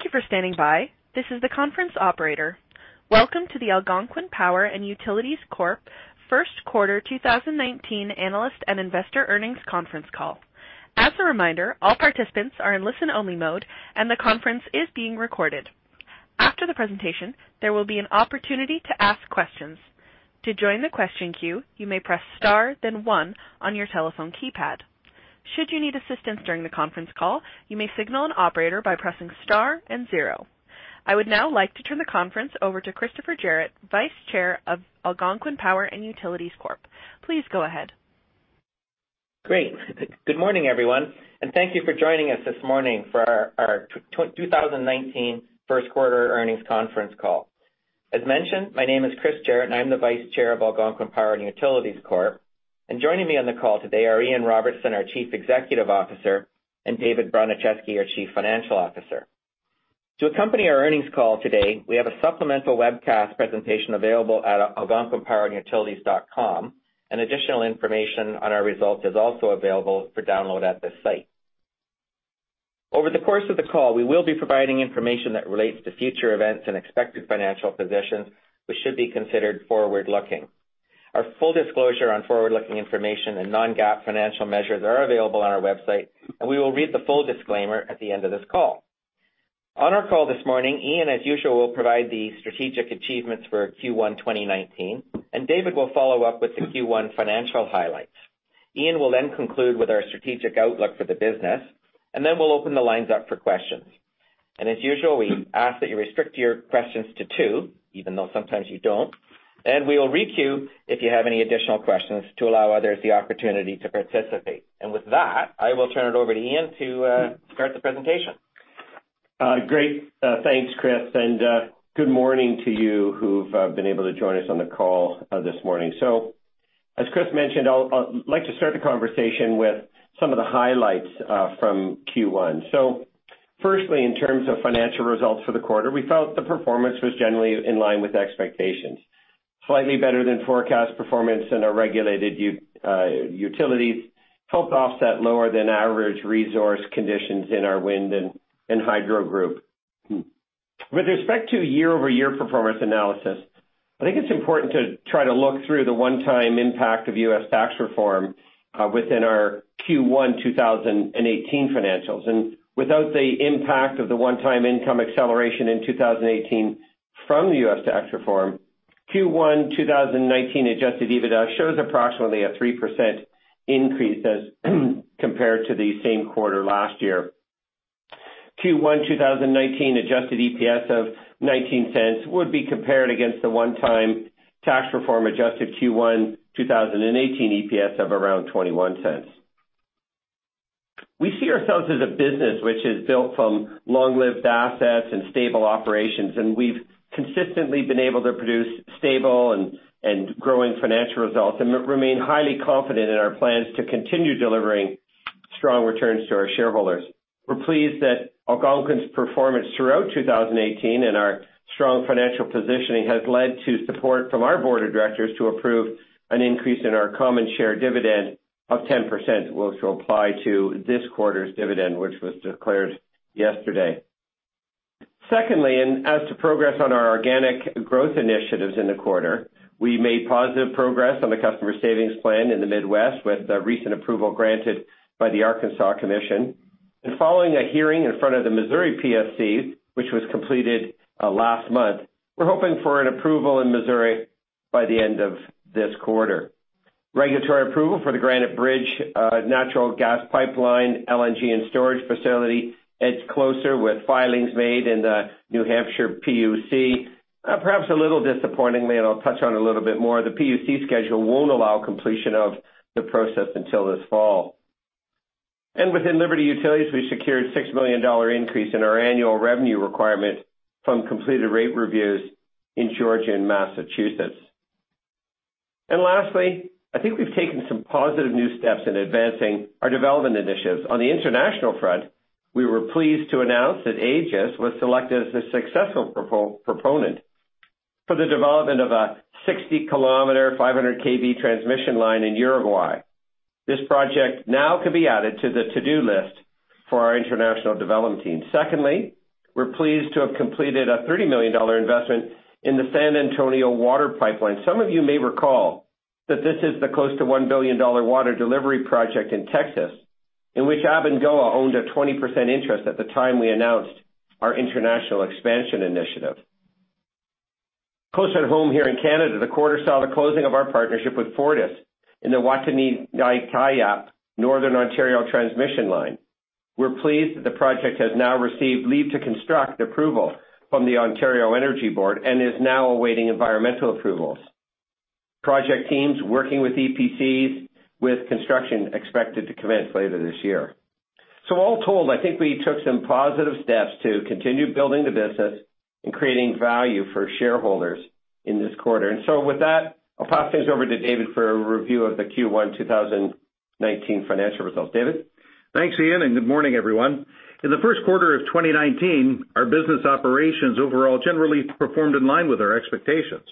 Thank you for standing by. This is the conference operator. Welcome to the Algonquin Power & Utilities Corp. First Quarter 2019 Analyst and Investor Earnings Conference Call. As a reminder, all participants are in listen-only mode, and the conference is being recorded. After the presentation, there will be an opportunity to ask questions. To join the question queue, you may press star then one on your telephone keypad. Should you need assistance during the conference call, you may signal an operator by pressing star and zero. I would now like to turn the conference over to Christopher Jarratt, Vice Chair of Algonquin Power & Utilities Corp. Please go ahead. Great. Good morning, everyone, thank you for joining us this morning for our 2019 first quarter earnings conference call. As mentioned, my name is Chris Jarratt, and I'm the Vice Chair of Algonquin Power & Utilities Corp. Joining me on the call today are Ian Robertson, our Chief Executive Officer, and David Bronicheski, our Chief Financial Officer. To accompany our earnings call today, we have a supplemental webcast presentation available at algonquinpower.com. Additional information on our results is also available for download at this site. Over the course of the call, we will be providing information that relates to future events and expected financial positions, which should be considered forward-looking. Our full disclosure on forward-looking information and non-GAAP financial measures are available on our website, we will read the full disclaimer at the end of this call. On our call this morning, Ian, as usual, will provide the strategic achievements for Q1 2019, David will follow up with the Q1 financial highlights. Ian will conclude with our strategic outlook for the business, we'll open the lines up for questions. As usual, we ask that you restrict your questions to two, even though sometimes you don't, we will requeue if you have any additional questions to allow others the opportunity to participate. With that, I will turn it over to Ian to start the presentation. Great. Thanks, Chris, good morning to you who've been able to join us on the call this morning. As Chris mentioned, I'd like to start the conversation with some of the highlights from Q1. Firstly, in terms of financial results for the quarter, we felt the performance was generally in line with expectations. Slightly better than forecast performance in our regulated utilities helped offset lower than average resource conditions in our wind and hydro group. With respect to year-over-year performance analysis, I think it's important to try to look through the one-time impact of U.S. tax reform within our Q1 2018 financials. Without the impact of the one-time income acceleration in 2018 from the U.S. tax reform, Q1 2019 adjusted EBITDA shows approximately a 3% increase as compared to the same quarter last year. Q1 2019 adjusted EPS of 0.19 would be compared against the one-time tax reform adjusted Q1 2018 EPS of around 0.21. We see ourselves as a business which is built from long-lived assets and stable operations. We've consistently been able to produce stable and growing financial results and remain highly confident in our plans to continue delivering strong returns to our shareholders. We're pleased that Algonquin's performance throughout 2018 and our strong financial positioning has led to support from our board of directors to approve an increase in our common share dividend of 10%, which will apply to this quarter's dividend, which was declared yesterday. Secondly, as to progress on our organic growth initiatives in the quarter, we made positive progress on the Customer Savings Plan in the Midwest, with the recent approval granted by the Arkansas Commission. Following a hearing in front of the Missouri PSC, which was completed last month, we're hoping for an approval in Missouri by the end of this quarter. Regulatory approval for the Granite Bridge Natural Gas Pipeline, LNG, and storage facility, it's closer with filings made in the New Hampshire PUC. Perhaps a little disappointingly, and I'll touch on a little bit more, the PUC schedule won't allow completion of the process until this fall. Within Liberty Utilities, we secured a 6 million dollar increase in our annual revenue requirement from completed rate reviews in Georgia and Massachusetts. Lastly, I think we've taken some positive new steps in advancing our development initiatives. On the international front, we were pleased to announce that AAGES was selected as the successful proponent for the development of a 60-kilometer, 500 kV transmission line in Uruguay. This project now can be added to the to-do list for our international development team. Secondly, we're pleased to have completed a $30 million investment in the San Antonio water pipeline. Some of you may recall that this is the close to $1 billion water delivery project in Texas, in which Abengoa owned a 20% interest at the time we announced our international expansion initiative. Closer to home here in Canada, the quarter saw the closing of our partnership with Fortis in the Wataynikaneyap Northern Ontario transmission line. We're pleased that the project has now received leave to construct approval from the Ontario Energy Board and is now awaiting environmental approvals. Project teams working with EPCs, with construction expected to commence later this year. All told, I think we took some positive steps to continue building the business and creating value for shareholders in this quarter. With that, I'll pass things over to David for a review of the Q1 2019 financial results. David? Thanks, Ian. Good morning, everyone. In the first quarter of 2019, our business operations overall generally performed in line with our expectations.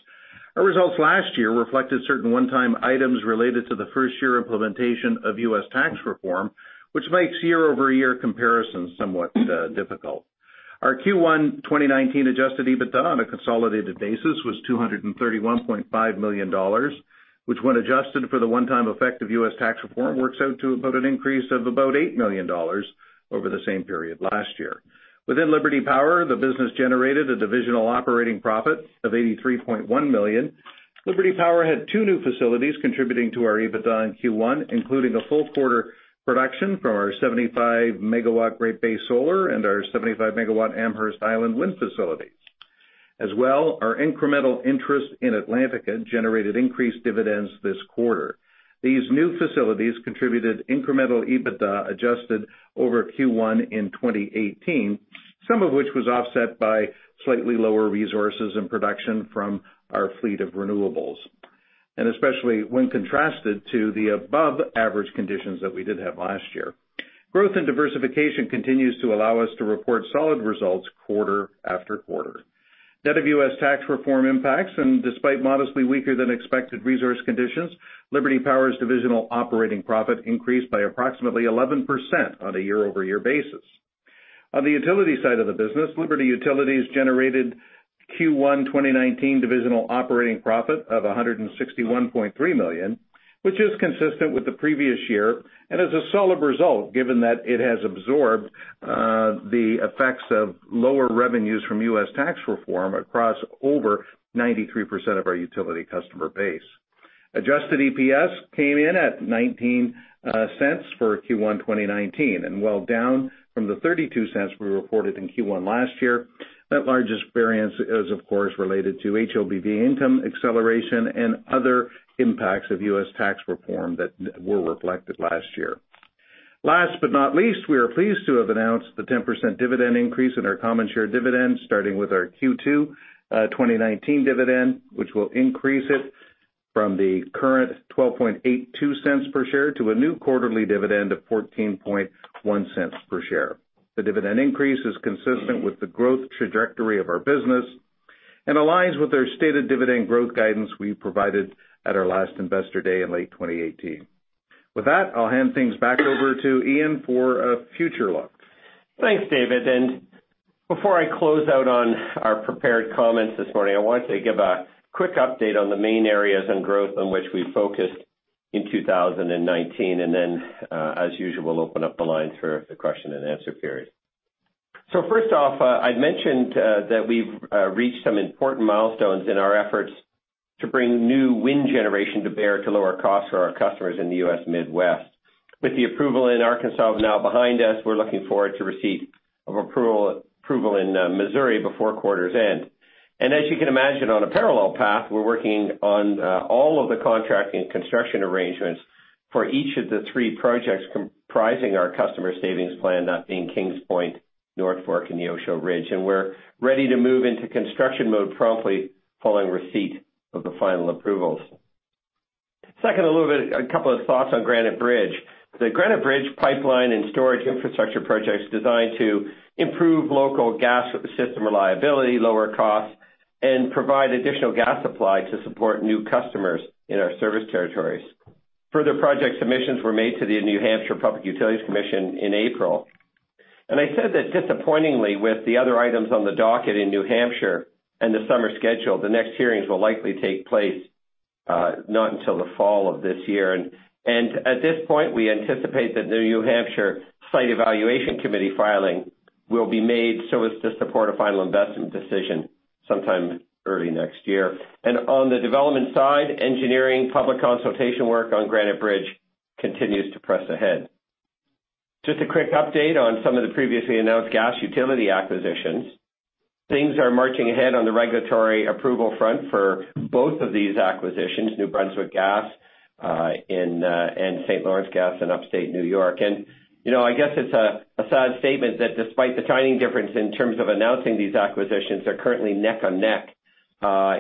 Our results last year reflected certain one-time items related to the first-year implementation of U.S. tax reform, which makes year-over-year comparisons somewhat difficult. Our Q1 2019 adjusted EBITDA on a consolidated basis was 231.5 million dollars, which, when adjusted for the one-time effect of U.S. tax reform, works out to about an increase of about 8 million dollars over the same period last year. Within Liberty Power, the business generated a divisional operating profit of 83.1 million. Liberty Power had two new facilities contributing to our EBITDA in Q1, including a full quarter production from our 75-megawatt Great Bay Solar and our 75-megawatt Amherst Island wind facilities. As well, our incremental interest in Atlantica generated increased dividends this quarter. These new facilities contributed incremental EBITDA adjusted over Q1 in 2018, some of which was offset by slightly lower resources and production from our fleet of renewables, especially when contrasted to the above-average conditions that we did have last year. Growth and diversification continues to allow us to report solid results quarter after quarter. Net of U.S. tax reform impacts and despite modestly weaker-than-expected resource conditions, Liberty Power's divisional operating profit increased by approximately 11% on a year-over-year basis. On the utility side of the business, Liberty Utilities generated Q1 2019 divisional operating profit of 161.3 million, which is consistent with the previous year and is a solid result given that it has absorbed the effects of lower revenues from U.S. tax reform across over 93% of our utility customer base. Adjusted EPS came in at 0.19 for Q1 2019, while down from the 0.32 we reported in Q1 last year, that largest variance is, of course, related to HLBV income acceleration and other impacts of U.S. tax reform that were reflected last year. Last but not least, we are pleased to have announced the 10% dividend increase in our common share dividend starting with our Q2 2019 dividend, which will increase it from the current 0.1282 per share to a new quarterly dividend of 0.141 per share. The dividend increase is consistent with the growth trajectory of our business and aligns with our stated dividend growth guidance we provided at our last Investor Day in late 2018. With that, I'll hand things back over to Ian for a future look. Thanks, David. Before I close out on our prepared comments this morning, I wanted to give a quick update on the main areas and growth on which we focused in 2019, as usual, open up the lines for the question and answer period. First off, I mentioned that we've reached some important milestones in our efforts to bring new wind generation to bear to lower costs for our customers in the U.S. Midwest. With the approval in Arkansas now behind us, we're looking forward to receipt of approval in Missouri before quarter's end. As you can imagine, on a parallel path, we're working on all of the contract and construction arrangements for each of the 3 projects comprising our Customer Savings Plan, that being Kings Point, North Fork, and Neosho Ridge. We're ready to move into construction mode promptly following receipt of the final approvals. Second, a couple of thoughts on Granite Bridge. The Granite Bridge pipeline and storage infrastructure project is designed to improve local gas system reliability, lower costs, and provide additional gas supply to support new customers in our service territories. Further project submissions were made to the New Hampshire Public Utilities Commission in April. I said that disappointingly with the other items on the docket in New Hampshire and the summer schedule, the next hearings will likely take place not until the fall of this year. At this point, we anticipate that the New Hampshire Site Evaluation Committee filing will be made so as to support a final investment decision sometime early next year. On the development side, engineering public consultation work on Granite Bridge continues to press ahead. Just a quick update on some of the previously announced gas utility acquisitions. Things are marching ahead on the regulatory approval front for both of these acquisitions, New Brunswick Gas, and St. Lawrence Gas in upstate New York. I guess it's a sad statement that despite the timing difference in terms of announcing these acquisitions, they're currently neck and neck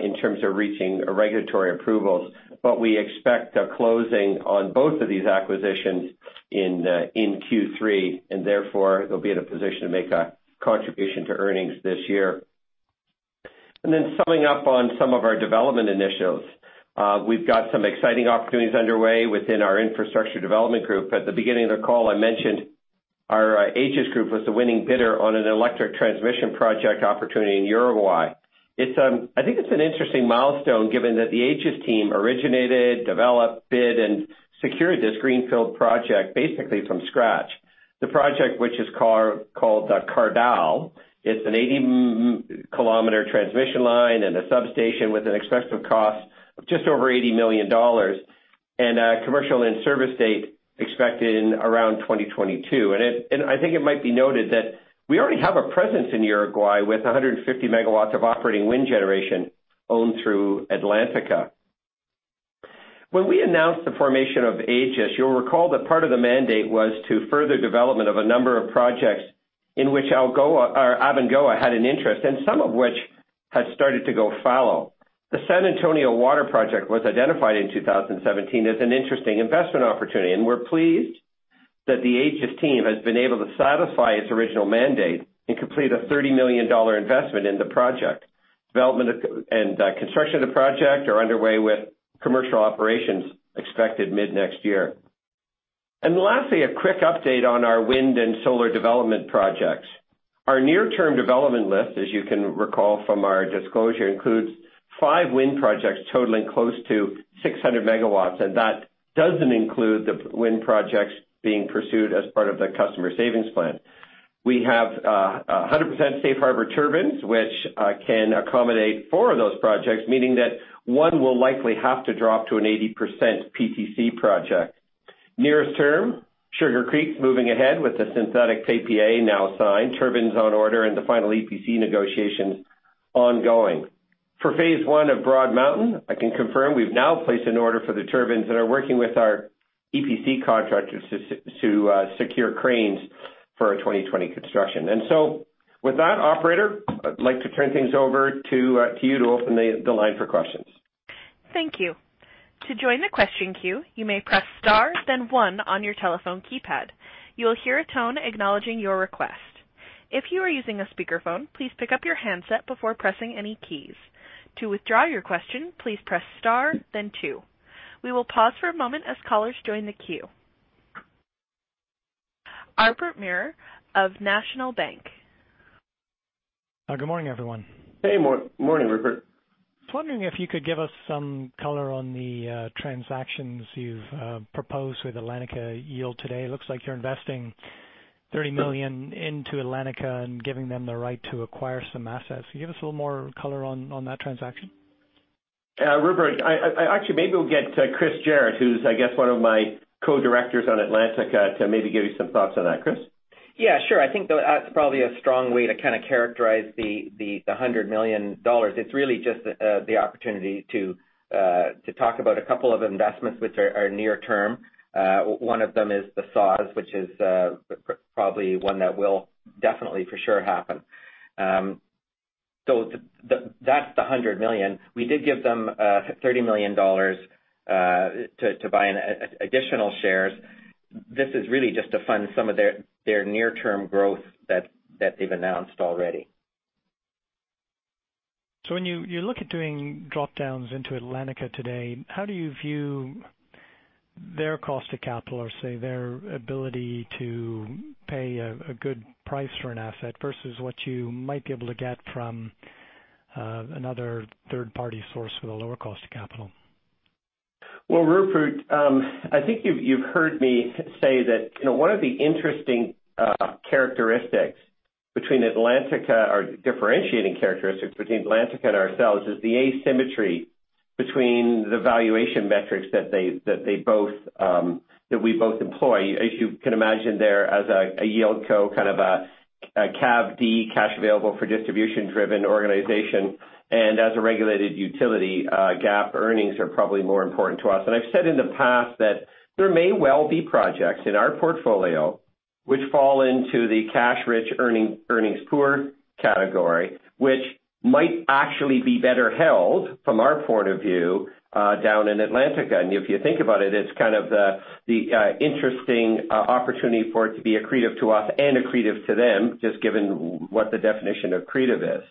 in terms of reaching regulatory approvals. We expect a closing on both of these acquisitions in Q3, therefore, they'll be in a position to make a contribution to earnings this year. Summing up on some of our development initiatives. We've got some exciting opportunities underway within our infrastructure development group. At the beginning of the call, I mentioned our AAGES Group was the winning bidder on an electric transmission project opportunity in Uruguay. I think it's an interesting milestone given that the AAGES team originated, developed, bid, and secured this greenfield project basically from scratch. The project, which is called Cardal, it's an 80-kilometer transmission line and a substation with an expected cost of just over 80 million dollars, a commercial and service date expected in around 2022. I think it might be noted that we already have a presence in Uruguay with 150 megawatts of operating wind generation owned through Atlantica. When we announced the formation of AAGES, you'll recall that part of the mandate was to further development of a number of projects in which Abengoa had an interest, some of which had started to go fallow. The San Antonio Water project was identified in 2017 as an interesting investment opportunity. We're pleased that the AAGES team has been able to satisfy its original mandate and complete a $30 million investment in the project. Development and construction of the project are underway with commercial operations expected mid-next year. Lastly, a quick update on our wind and solar development projects. Our near-term development list, as you can recall from our disclosure, includes five wind projects totaling close to 600 MW, and that doesn't include the wind projects being pursued as part of the Customer Savings Plan. We have 100% safe harbor turbines, which can accommodate four of those projects, meaning that one will likely have to drop to an 80% PTC project. Sugar Creek's moving ahead with the synthetic PPA now signed, turbines on order, and the final EPC negotiations ongoing. For phase 1 of Broad Mountain, I can confirm we've now placed an order for the turbines and are working with our EPC contractors to secure cranes for our 2020 construction. With that, operator, I'd like to turn things over to you to open the line for questions. Thank you. To join the question queue, you may press star, then one on your telephone keypad. You will hear a tone acknowledging your request. If you are using a speakerphone, please pick up your handset before pressing any keys. To withdraw your question, please press star, then two. We will pause for a moment as callers join the queue. Rupert Merer of National Bank. Good morning, everyone. Hey. Morning, Rupert. I was wondering if you could give us some color on the transactions you've proposed with Atlantica today. It looks like you're investing 30 million into Atlantica and giving them the right to acquire some assets. Can you give us a little more color on that transaction? Rupert, actually, maybe we'll get Chris Jarratt, who's, I guess, one of my co-directors on Atlantica, to maybe give you some thoughts on that. Chris? Yeah, sure. I think that's probably a strong way to kind of characterize the 100 million dollars. It's really just the opportunity to talk about a couple of investments which are near term. One of them is the SAWS, which is probably one that will definitely for sure happen. That's the 100 million. We did give them 30 million dollars to buy additional shares. This is really just to fund some of their near-term growth that they've announced already. When you look at doing drop-downs into Atlantica today, how do you view their cost of capital or, say, their ability to pay a good price for an asset versus what you might be able to get from another third-party source with a lower cost of capital? Well, Rupert, I think you've heard me say that one of the interesting characteristics between Atlantica or differentiating characteristics between Atlantica and ourselves is the asymmetry between the valuation metrics that we both employ. As you can imagine there, as a yieldco, kind of a CAFD, Cash Available for Distribution-driven organization, and as a regulated utility, GAAP earnings are probably more important to us. I've said in the past that there may well be projects in our portfolio which fall into the cash-rich, earnings-poor category, which might actually be better held from our point of view, down in Atlantica. If you think about it's kind of the interesting opportunity for it to be accretive to us and accretive to them, just given what the definition of accretive is.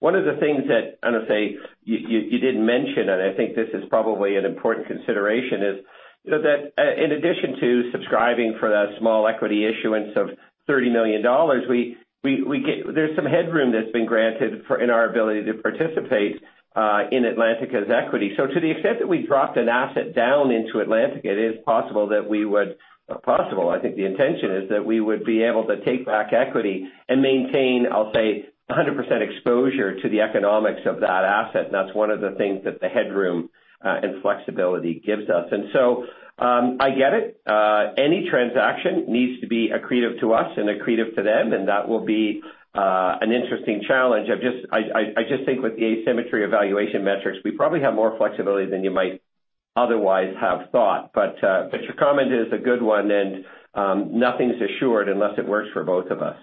One of the things that, I'm going to say, you didn't mention, and I think this is probably an important consideration, is that in addition to subscribing for that small equity issuance of 30 million dollars, there's some headroom that's been granted in our ability to participate in Atlantica's equity. To the extent that we dropped an asset down into Atlantica, it is possible that we would Not possible, I think the intention is that we would be able to take back equity and maintain, I'll say, 100% exposure to the economics of that asset. That's one of the things that the headroom and flexibility gives us. I get it. Any transaction needs to be accretive to us and accretive to them, and that will be an interesting challenge. I just think with the asymmetry evaluation metrics, we probably have more flexibility than you might otherwise have thought. Your comment is a good one, nothing's assured unless it works for both of us,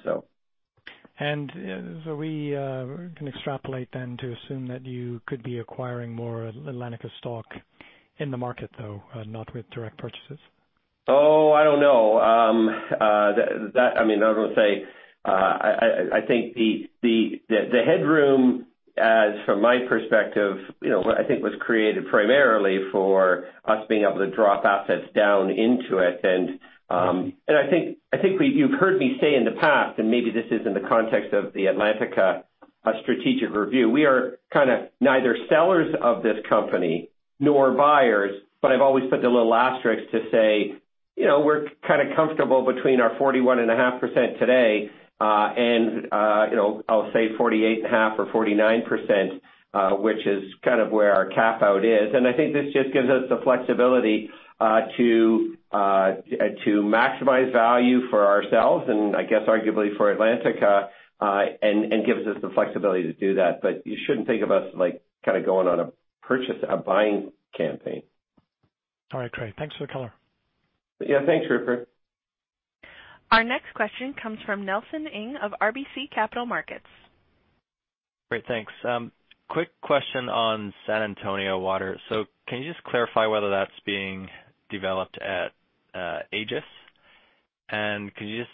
so. We can extrapolate then to assume that you could be acquiring more Atlantica stock in the market, though, not with direct purchases? Oh, I don't know. I was going to say, I think the headroom as from my perspective, I think was created primarily for us being able to drop assets down into it. I think you've heard me say in the past, and maybe this is in the context of the Atlantica strategic review, we are kind of neither sellers of this company nor buyers. I've always put the little asterisk to say we're kind of comfortable between our 41.5% today and I'll say 48.5% or 49%, which is kind of where our cap out is. I think this just gives us the flexibility to maximize value for ourselves and I guess arguably for Atlantica, and gives us the flexibility to do that. You shouldn't think of us, like, kind of going on a buying campaign. All right, Rupert. Thanks for the color. Yeah. Thanks, Rupert. Our next question comes from Nelson Ng of RBC Capital Markets. Great. Thanks. Quick question on San Antonio Water. Can you just clarify whether that's being developed at AAGES? Can you just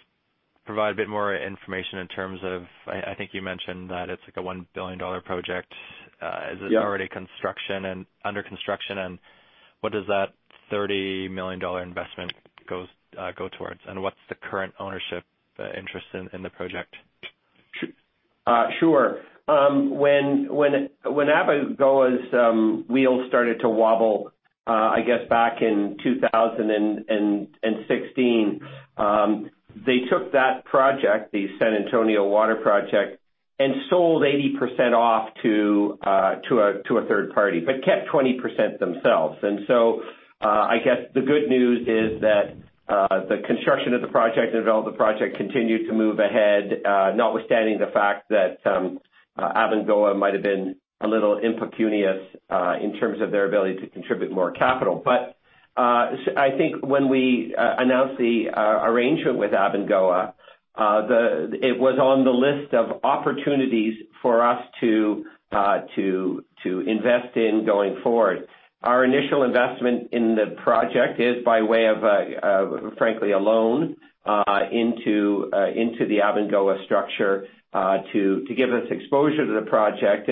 provide a bit more information in terms of, I think you mentioned that it's like a $1 billion project. Yeah. Is it already under construction, what does that $30 million investment go towards? What's the current ownership interest in the project? Sure. When Abengoa's wheels started to wobble, I guess back in 2016, they took that project, the San Antonio Water project, and sold 80% off to a third party, but kept 20% themselves. I guess the good news is that the construction of the project and development of the project continued to move ahead notwithstanding the fact that Abengoa might have been a little impecunious in terms of their ability to contribute more capital. I think when we announced the arrangement with Abengoa, it was on the list of opportunities for us to invest in going forward. Our initial investment in the project is by way of, frankly, a loan into the Abengoa structure to give us exposure to the project.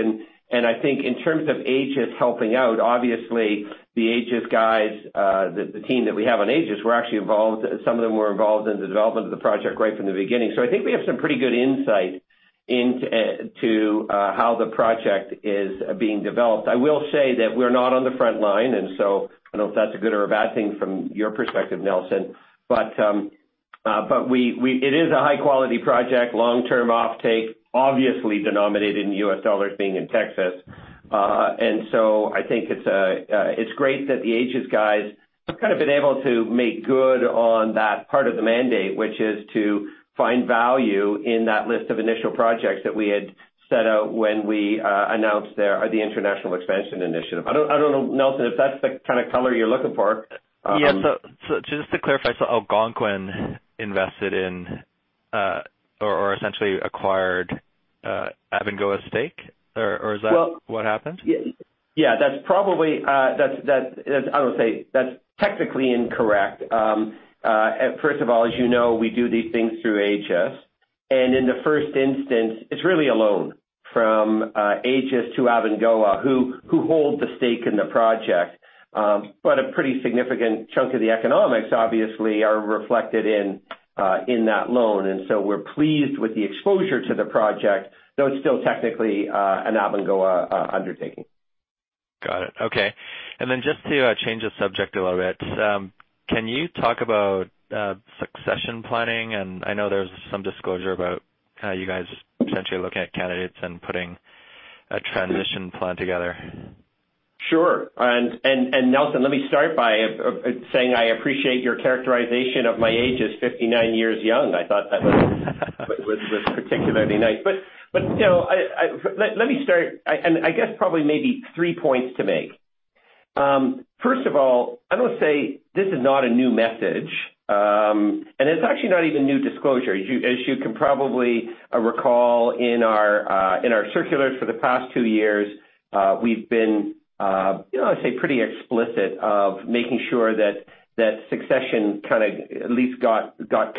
I think in terms of AAGES helping out, obviously the AAGES guys, the team that we have on AAGES, some of them were involved in the development of the project right from the beginning. I think we have some pretty good insight into how the project is being developed. I will say that we're not on the front line, I don't know if that's a good or a bad thing from your perspective, Nelson. It is a high-quality project, long-term offtake, obviously denominated in U.S. dollars being in Texas. I think it's great that the AAGES guys have kind of been able to make good on that part of the mandate, which is to find value in that list of initial projects that we had set out when we announced the International Expansion Initiative. I don't know, Nelson, if that's the kind of color you're looking for. Yeah. Just to clarify, Algonquin invested in or essentially acquired Abengoa's stake? Is that what happened? Yeah, I would say that's technically incorrect. First of all, as you know, we do these things through AAGES, in the first instance, it's really a loan from AAGES to Abengoa who hold the stake in the project. A pretty significant chunk of the economics obviously are reflected in that loan, we're pleased with the exposure to the project, though it's still technically an Abengoa undertaking. Got it. Okay. Then just to change the subject a little bit, can you talk about succession planning? I know there's some disclosure about how you guys are potentially looking at candidates and putting a transition plan together. Sure. Nelson, let me start by saying I appreciate your characterization of my age as 59 years young. I thought that was particularly nice. Let me start, I guess probably maybe three points to make. First of all, I would say this is not a new message, it's actually not even new disclosure. As you can probably recall in our circulars for the past two years, we've been I would say pretty explicit of making sure that succession kind of at least got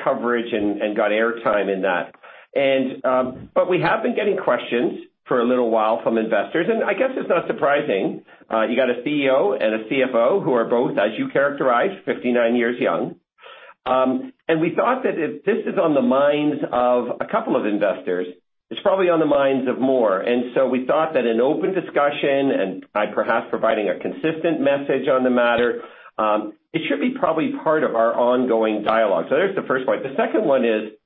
coverage and got air time in that. We have been getting questions for a little while from investors, I guess it's not surprising. You got a CEO and a CFO who are both, as you characterized, 59 years young. We thought that if this is on the minds of a couple of investors, it's probably on the minds of more. We thought that an open discussion and perhaps providing a consistent message on the matter, it should be probably part of our ongoing dialogue. There's the first point. The second one is,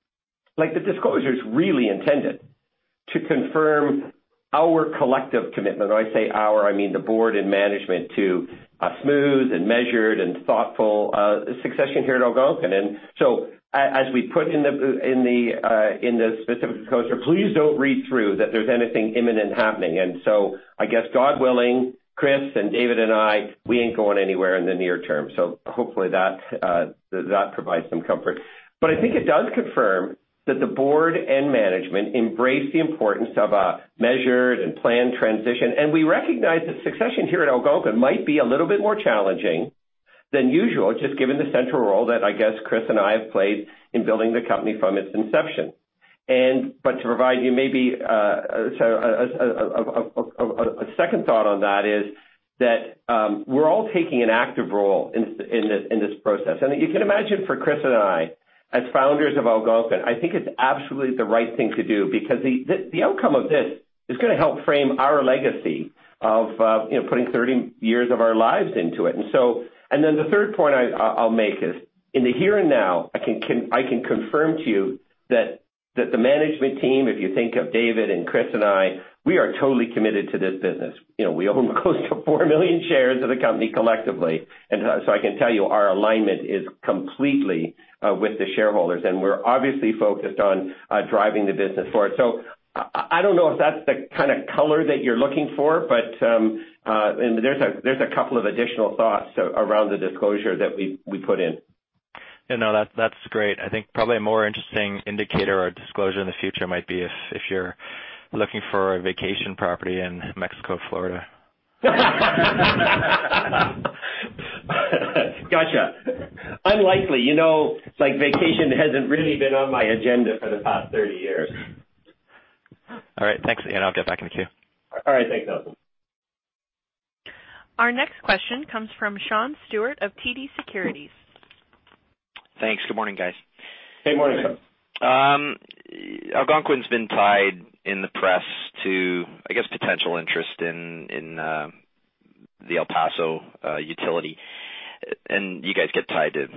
the disclosure's really intended to confirm our collective commitment, when I say our, I mean the board and management, to a smooth and measured and thoughtful succession here at Algonquin. As we put in the specific disclosure, please don't read through that there's anything imminent happening. I guess, God willing, Chris and David and I, we ain't going anywhere in the near term. Hopefully that provides some comfort. I think it does confirm that the board and management embrace the importance of a measured and planned transition, we recognize that succession here at Algonquin might be a little bit more challenging than usual, just given the central role that I guess Chris and I have played in building the company from its inception. To provide you maybe a second thought on that is that we're all taking an active role in this process. You can imagine for Chris and I, as founders of Algonquin, I think it's absolutely the right thing to do because the outcome of this is going to help frame our legacy of putting 30 years of our lives into it. The third point I'll make is in the here and now, I can confirm to you that the management team, if you think of David and Chris and I, we are totally committed to this business. We own close to 4 million shares of the company collectively. I can tell you our alignment is completely with the shareholders, and we're obviously focused on driving the business forward. I don't know if that's the kind of color that you're looking for, but there's a couple of additional thoughts around the disclosure that we put in. No, that's great. I think probably a more interesting indicator or disclosure in the future might be if you're looking for a vacation property in Mexico, Florida. Got you. Unlikely. Vacation hasn't really been on my agenda for the past 30 years. All right. Thanks, Ian. I'll jump back in the queue. All right. Thanks, Nelson. Our next question comes from Sean Steuart of TD Securities. Thanks. Good morning, guys. Hey, morning. Algonquin's been tied in the press to, I guess, potential interest in the El Paso utility. You guys get tied to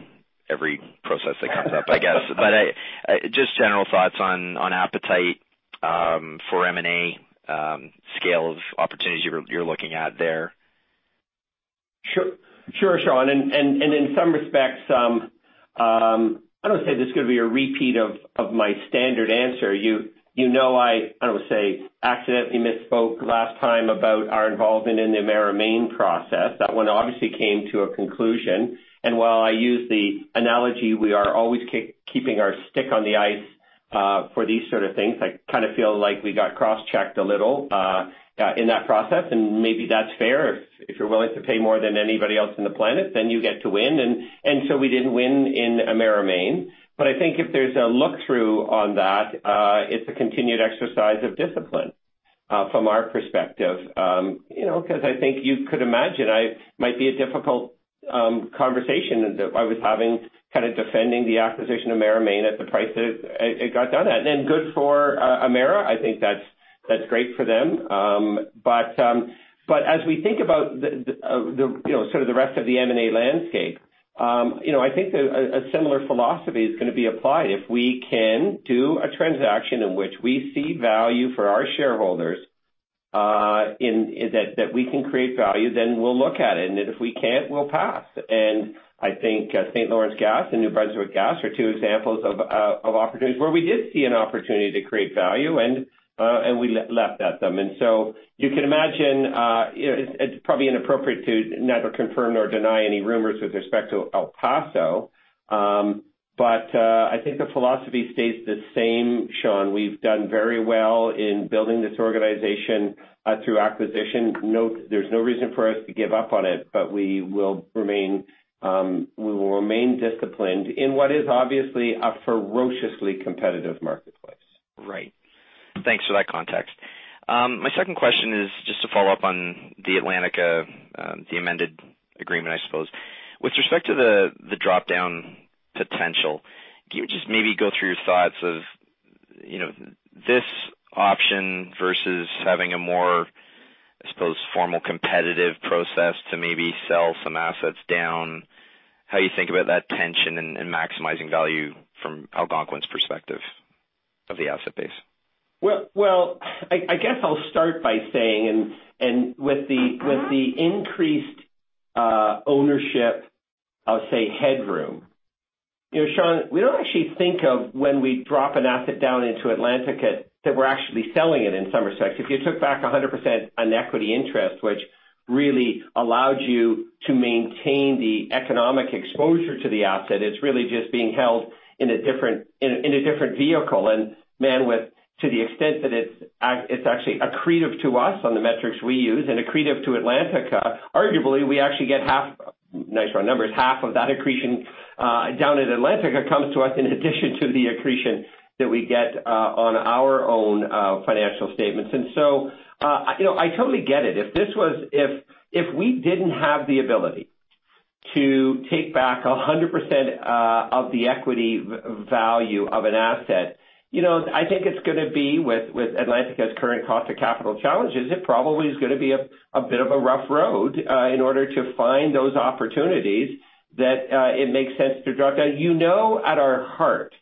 every process that comes up, I guess. Just general thoughts on appetite for M&A scale of opportunities you're looking at there. Sure, Sean. In some respects, I don't want to say this is going to be a repeat of my standard answer. You know, I would say, accidentally misspoke last time about our involvement in the Emera Maine process. That one obviously came to a conclusion, while I use the analogy, we are always keeping our stick on the ice for these sort of things. I kind of feel like we got cross-checked a little in that process, maybe that's fair. If you're willing to pay more than anybody else in the planet, you get to win. So we didn't win in Emera Maine. I think if there's a look-through on that, it's a continued exercise of discipline from our perspective. I think you could imagine, it might be a difficult conversation that I was having, kind of defending the acquisition of Emera Maine at the price that it got done at. Good for Emera. I think that's great for them. As we think about the rest of the M&A landscape, I think that a similar philosophy is going to be applied. If we can do a transaction in which we see value for our shareholders, that we can create value, we'll look at it, if we can't, we'll pass. I think St. Lawrence Gas and New Brunswick Gas are two examples of opportunities where we did see an opportunity to create value, we leapt at them. You can imagine, it's probably inappropriate to neither confirm nor deny any rumors with respect to El Paso. I think the philosophy stays the same, Sean. We've done very well in building this organization through acquisition. There's no reason for us to give up on it, we will remain disciplined in what is obviously a ferociously competitive marketplace. Right. Thanks for that context. My second question is just to follow up on the Atlantica, the amended agreement, I suppose. With respect to the drop-down potential, can you just maybe go through your thoughts of this option versus having a more, I suppose, formal competitive process to maybe sell some assets down, how you think about that tension and maximizing value from Algonquin's perspective of the asset base? Well, I guess I'll start by saying, with the increased ownership of, say, headroom. Sean, we don't actually think of when we drop an asset down into Atlantica that we're actually selling it in some respects. If you took back 100% on equity interest, which really allowed you to maintain the economic exposure to the asset, it's really just being held in a different vehicle. Man, to the extent that it's actually accretive to us on the metrics we use and accretive to Atlantica, arguably, we actually get half, nice round numbers, half of that accretion down at Atlantica comes to us in addition to the accretion that we get on our own financial statements. So, I totally get it. If we didn't have the ability to take back 100% of the equity value of an asset, I think it's going to be with Atlantica's current cost of capital challenges, it probably is going to be a bit of a rough road in order to find those opportunities that it makes sense to drop down. You know, at our heart,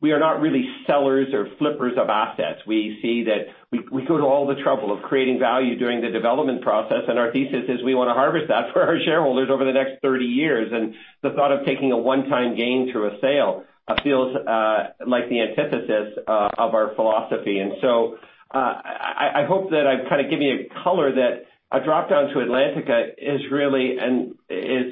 we are not really sellers or flippers of assets. We go to all the trouble of creating value during the development process, our thesis is we want to harvest that for our shareholders over the next 30 years. The thought of taking a one-time gain through a sale feels like the antithesis of our philosophy. So I hope that I've kind of given you color that a drop-down to Atlantica is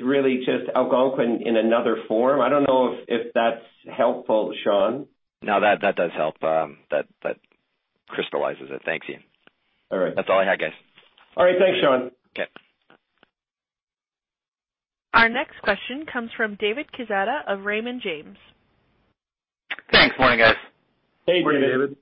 really just Algonquin in another form. I don't know if that's helpful, Sean. No, that does help. That crystallizes it. Thank you. All right. That's all I had, guys. All right. Thanks, Sean. Okay. Our next question comes from David Quezada of Raymond James. Thanks. Morning, guys. Hey, David. Morning, David.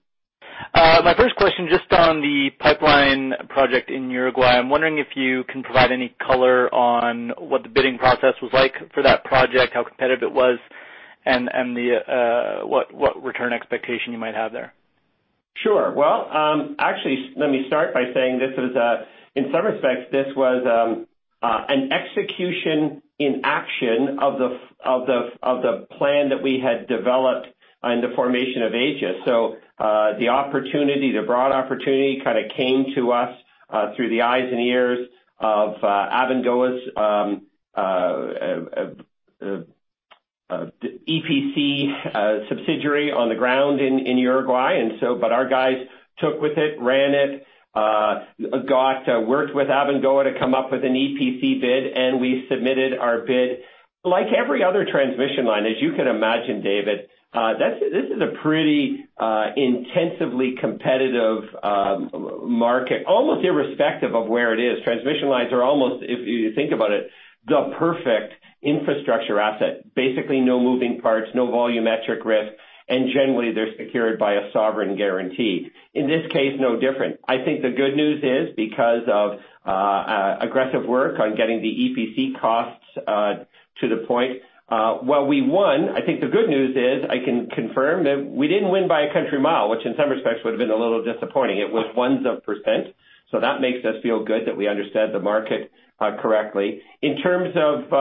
My first question, just on the pipeline project in Uruguay, I'm wondering if you can provide any color on what the bidding process was like for that project, how competitive it was, and what return expectation you might have there. Sure. Well, actually, let me start by saying in some respects, this was an execution in action of the plan that we had developed in the formation of AAGES. The broad opportunity kind of came to us through the eyes and ears of Abengoa's EPC subsidiary on the ground in Uruguay. Our guys took with it, ran it, worked with Abengoa to come up with an EPC bid, and we submitted our bid. Like every other transmission line, as you can imagine, David, this is a pretty intensively competitive market, almost irrespective of where it is. Transmission lines are almost, if you think about it, the perfect infrastructure asset. Basically, no moving parts, no volumetric risk, and generally, they're secured by a sovereign guarantee. In this case, no different. I think the good news is because of aggressive work on getting the EPC costs to the point where we won. I think the good news is I can confirm that we didn't win by a country mile, which in some respects would have been a little disappointing. It was ones of percent. That makes us feel good that we understood the market correctly. In terms of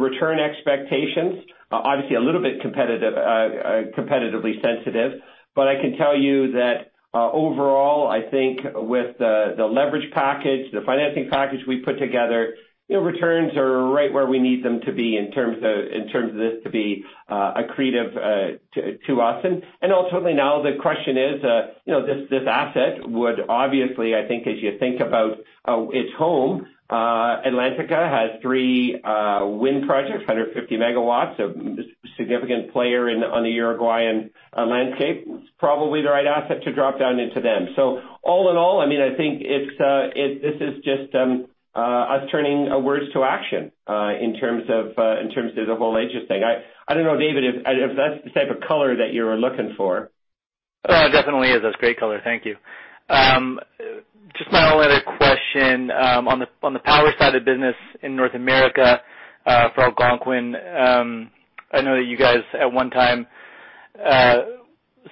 return expectations, obviously a little bit competitively sensitive. I can tell you that overall, I think with the leverage package, the financing package we put together, returns are right where we need them to be in terms of this to be accretive to us. Ultimately now the question is, this asset would obviously, I think as you think about its home, Atlantica has three wind projects, 150 MW, a significant player on the Uruguayan landscape. It's probably the right asset to drop down into them. All in all, I think this is just us turning words to action in terms of the whole AAGES thing. I don't know, David, if that's the type of color that you were looking for. Definitely is. That's great color. Thank you. Just my only other question, on the power side of the business in North America, for Algonquin, I know that you guys at one time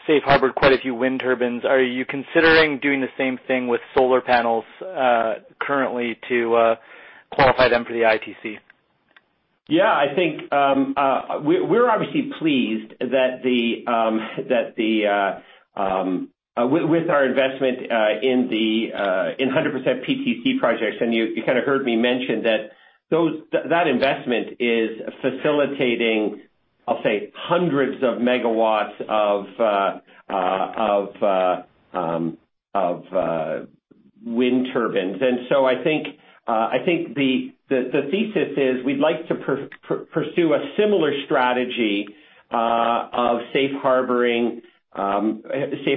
safe harbored quite a few wind turbines. Are you considering doing the same thing with solar panels currently to qualify them for the ITC? I think we're obviously pleased with our investment in 100% PTC projects. You kind of heard me mention that that investment is facilitating, I'll say, hundreds of MW of wind turbines. I think the thesis is we'd like to pursue a similar strategy of safe harboring ITC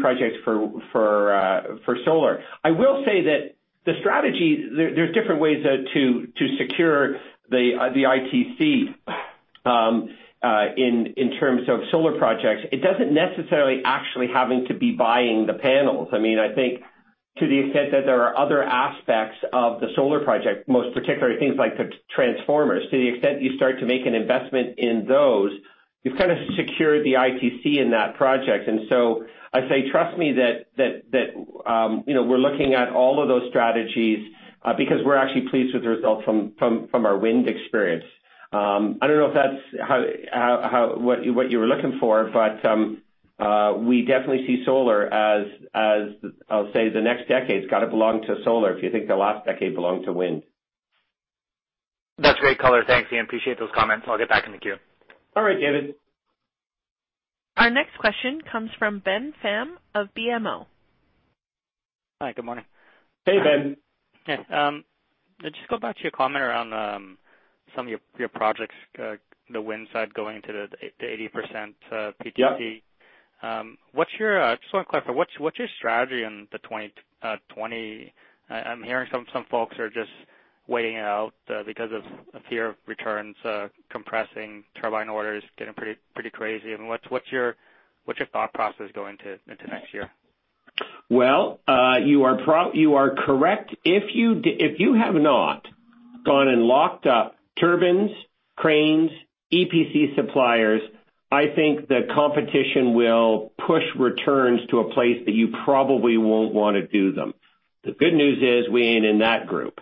projects for solar. I will say that the strategy, there's different ways to secure the ITC in terms of solar projects. It doesn't necessarily actually having to be buying the panels. I think to the extent that there are other aspects of the solar project, most particularly things like the transformers. To the extent you start to make an investment in those, you've kind of secured the ITC in that project. I say, trust me that we're looking at all of those strategies because we're actually pleased with the results from our wind experience. I don't know if that's what you were looking for, but we definitely see solar as, I'll say the next decade's got to belong to solar if you think the last decade belonged to wind. That's great color. Thanks, Ian. Appreciate those comments. I'll get back in the queue. All right, David. Our next question comes from Ben Pham of BMO. Hi, good morning. Hey, Ben. Yes. Just go back to your comment around some of your projects, the wind side going to the 80% PTC. Yeah. Just one question. What's your strategy in 2020? I mean, I'm hearing some folks are just waiting it out because of fear of returns compressing, turbine orders getting pretty crazy. I mean, what's your thought process going into next year? Well, you are correct. If you have not gone and locked up turbines, cranes, EPC suppliers, I think the competition will push returns to a place that you probably won't want to do them. The good news is we ain't in that group.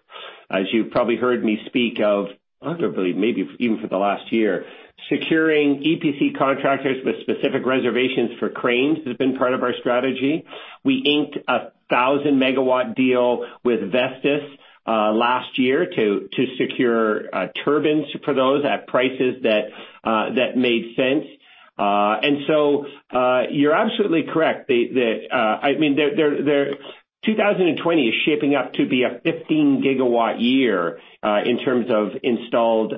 As you probably heard me speak of, arguably maybe even for the last year, securing EPC contractors with specific reservations for cranes has been part of our strategy. We inked a 1,000-megawatt deal with Vestas last year to secure turbines for those at prices that made sense. You're absolutely correct. 2020 is shaping up to be a 15-gigawatt year in terms of installed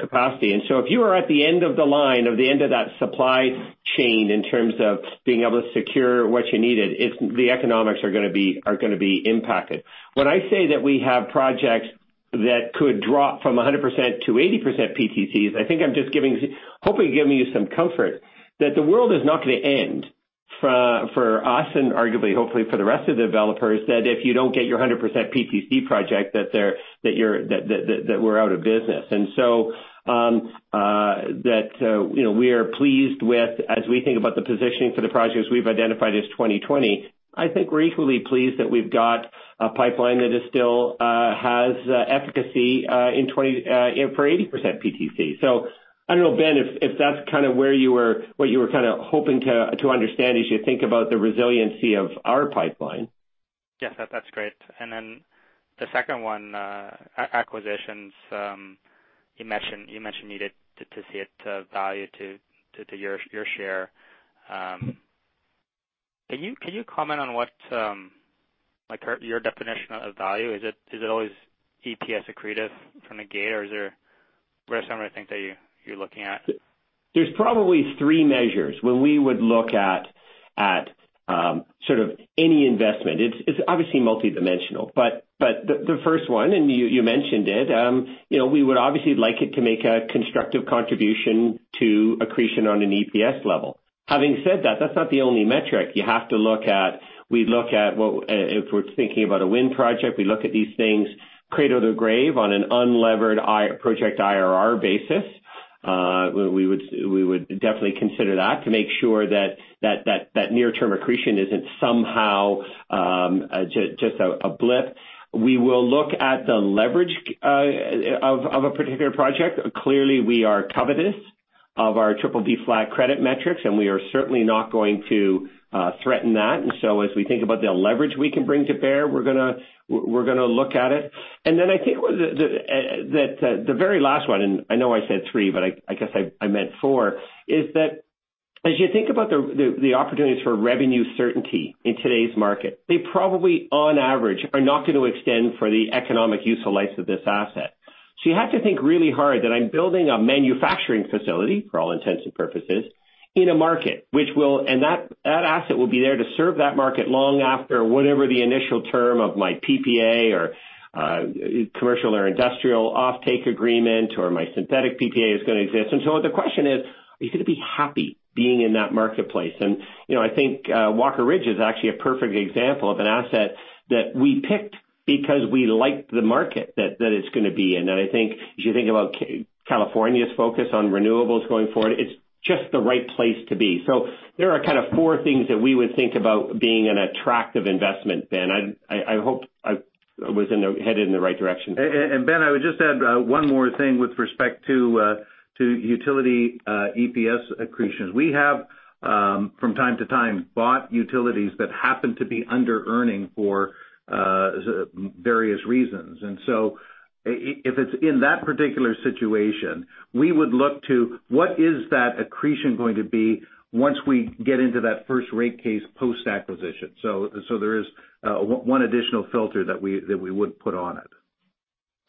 capacity. If you are at the end of the line, or the end of that supply chain in terms of being able to secure what you needed, the economics are going to be impacted. When I say that we have projects that could drop from 100% to 80% PTCs, I think I'm just hoping, giving you some comfort that the world is not going to end for us and arguably, hopefully for the rest of the developers, that if you don't get your 100% PTC project, that we're out of business. We are pleased with, as we think about the positioning for the projects we've identified as 2020, I think we're equally pleased that we've got a pipeline that still has efficacy for 80% PTC. I don't know, Ben, if that's what you were kind of hoping to understand as you think about the resiliency of our pipeline. Yes, that's great. The second one, acquisitions. You mentioned you needed to see it to value to your share. Can you comment on what your definition of value? Is it always EPS accretive from the gate, or are there some other things that you're looking at? There's probably three measures. When we would look at sort of any investment, it's obviously multidimensional. The first one, and you mentioned it, we would obviously like it to make a constructive contribution to accretion on an EPS level. Having said that's not the only metric. If we're thinking about a wind project, we look at these things cradle to grave on an unlevered project IRR basis. We would definitely consider that to make sure that near-term accretion isn't somehow just a blip. We will look at the leverage of a particular project. Clearly, we are covetous of our triple B flat credit metrics, and we are certainly not going to threaten that. As we think about the leverage we can bring to bear, we're going to look at it. I think that the very last one, I know I said three, I guess I meant four, is that as you think about the opportunities for revenue certainty in today's market, they probably, on average, are not going to extend for the economic useful life of this asset. You have to think really hard that I'm building a manufacturing facility, for all intents and purposes, in a market. That asset will be there to serve that market long after whatever the initial term of my PPA or commercial or industrial offtake agreement or my synthetic PPA is going to exist. The question is: Are you going to be happy being in that marketplace? I think Walker Ridge is actually a perfect example of an asset that we picked because we like the market that it's going to be in. I think as you think about California's focus on renewables going forward, it's just the right place to be. There are kind of four things that we would think about being an attractive investment, Ben. I hope I was headed in the right direction. Ben, I would just add one more thing with respect to utility EPS accretions. We have, from time to time, bought utilities that happen to be under-earning for various reasons. If it's in that particular situation, we would look to what is that accretion going to be once we get into that first rate case post-acquisition. There is one additional filter that we would put on it.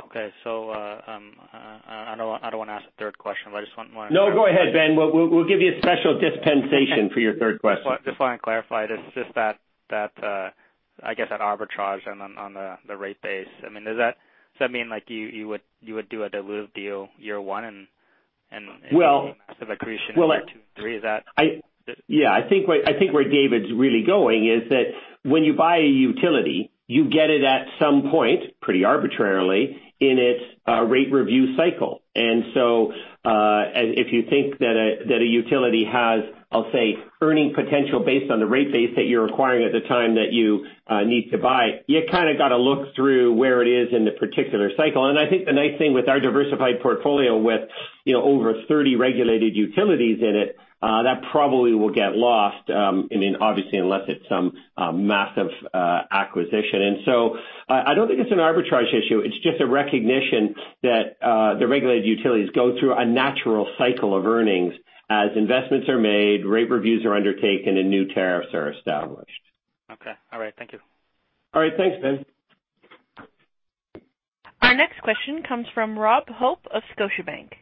Okay. I don't want to ask a third question, I just want- No, go ahead, Ben. We'll give you a special dispensation for your third question. Just want to clarify. It's just that, I guess that arbitrage on the rate base. Does that mean you would do a dilutive deal year one, Well- massive accretion in year two and three? Yeah, I think where David's really going is that when you buy a utility, you get it at some point, pretty arbitrarily, in its rate review cycle. If you think that a utility has, I'll say, earning potential based on the rate base that you're acquiring at the time that you need to buy, you kind of got to look through where it is in the particular cycle. I think the nice thing with our diversified portfolio with over 30 regulated utilities in it, that probably will get lost. Obviously, unless it's some massive acquisition. I don't think it's an arbitrage issue. It's just a recognition that the regulated utilities go through a natural cycle of earnings as investments are made, rate reviews are undertaken, and new tariffs are established. Okay. All right. Thank you. All right. Thanks, Ben. Our next question comes from Rob Hope of Scotiabank.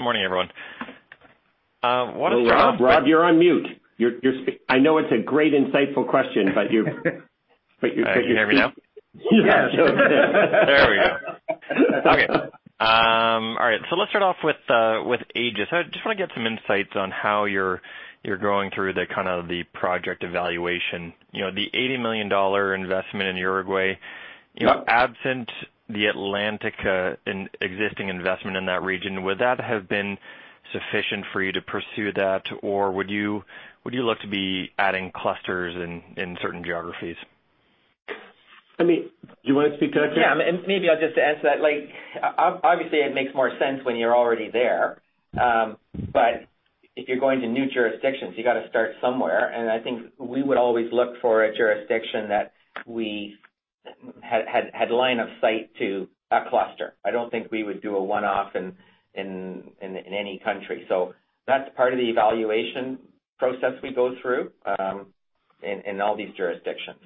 Morning, everyone. Rob, you're on mute. I know it's a great, insightful question, but. Can you hear me now? Yes. There we go. Okay. All right. Let's start off with AAGES. I just want to get some insights on how you're going through the project evaluation. The 80 million dollar investment in Uruguay. Absent the Atlantica existing investment in that region, would that have been sufficient for you to pursue that, or would you look to be adding clusters in certain geographies? Do you want to speak to that, Tim? Maybe I'll just add to that. Obviously, it makes more sense when you're already there. If you're going to new jurisdictions, you got to start somewhere. I think we would always look for a jurisdiction that we had line of sight to a cluster. I don't think we would do a one-off in any country. That's part of the evaluation process we go through in all these jurisdictions.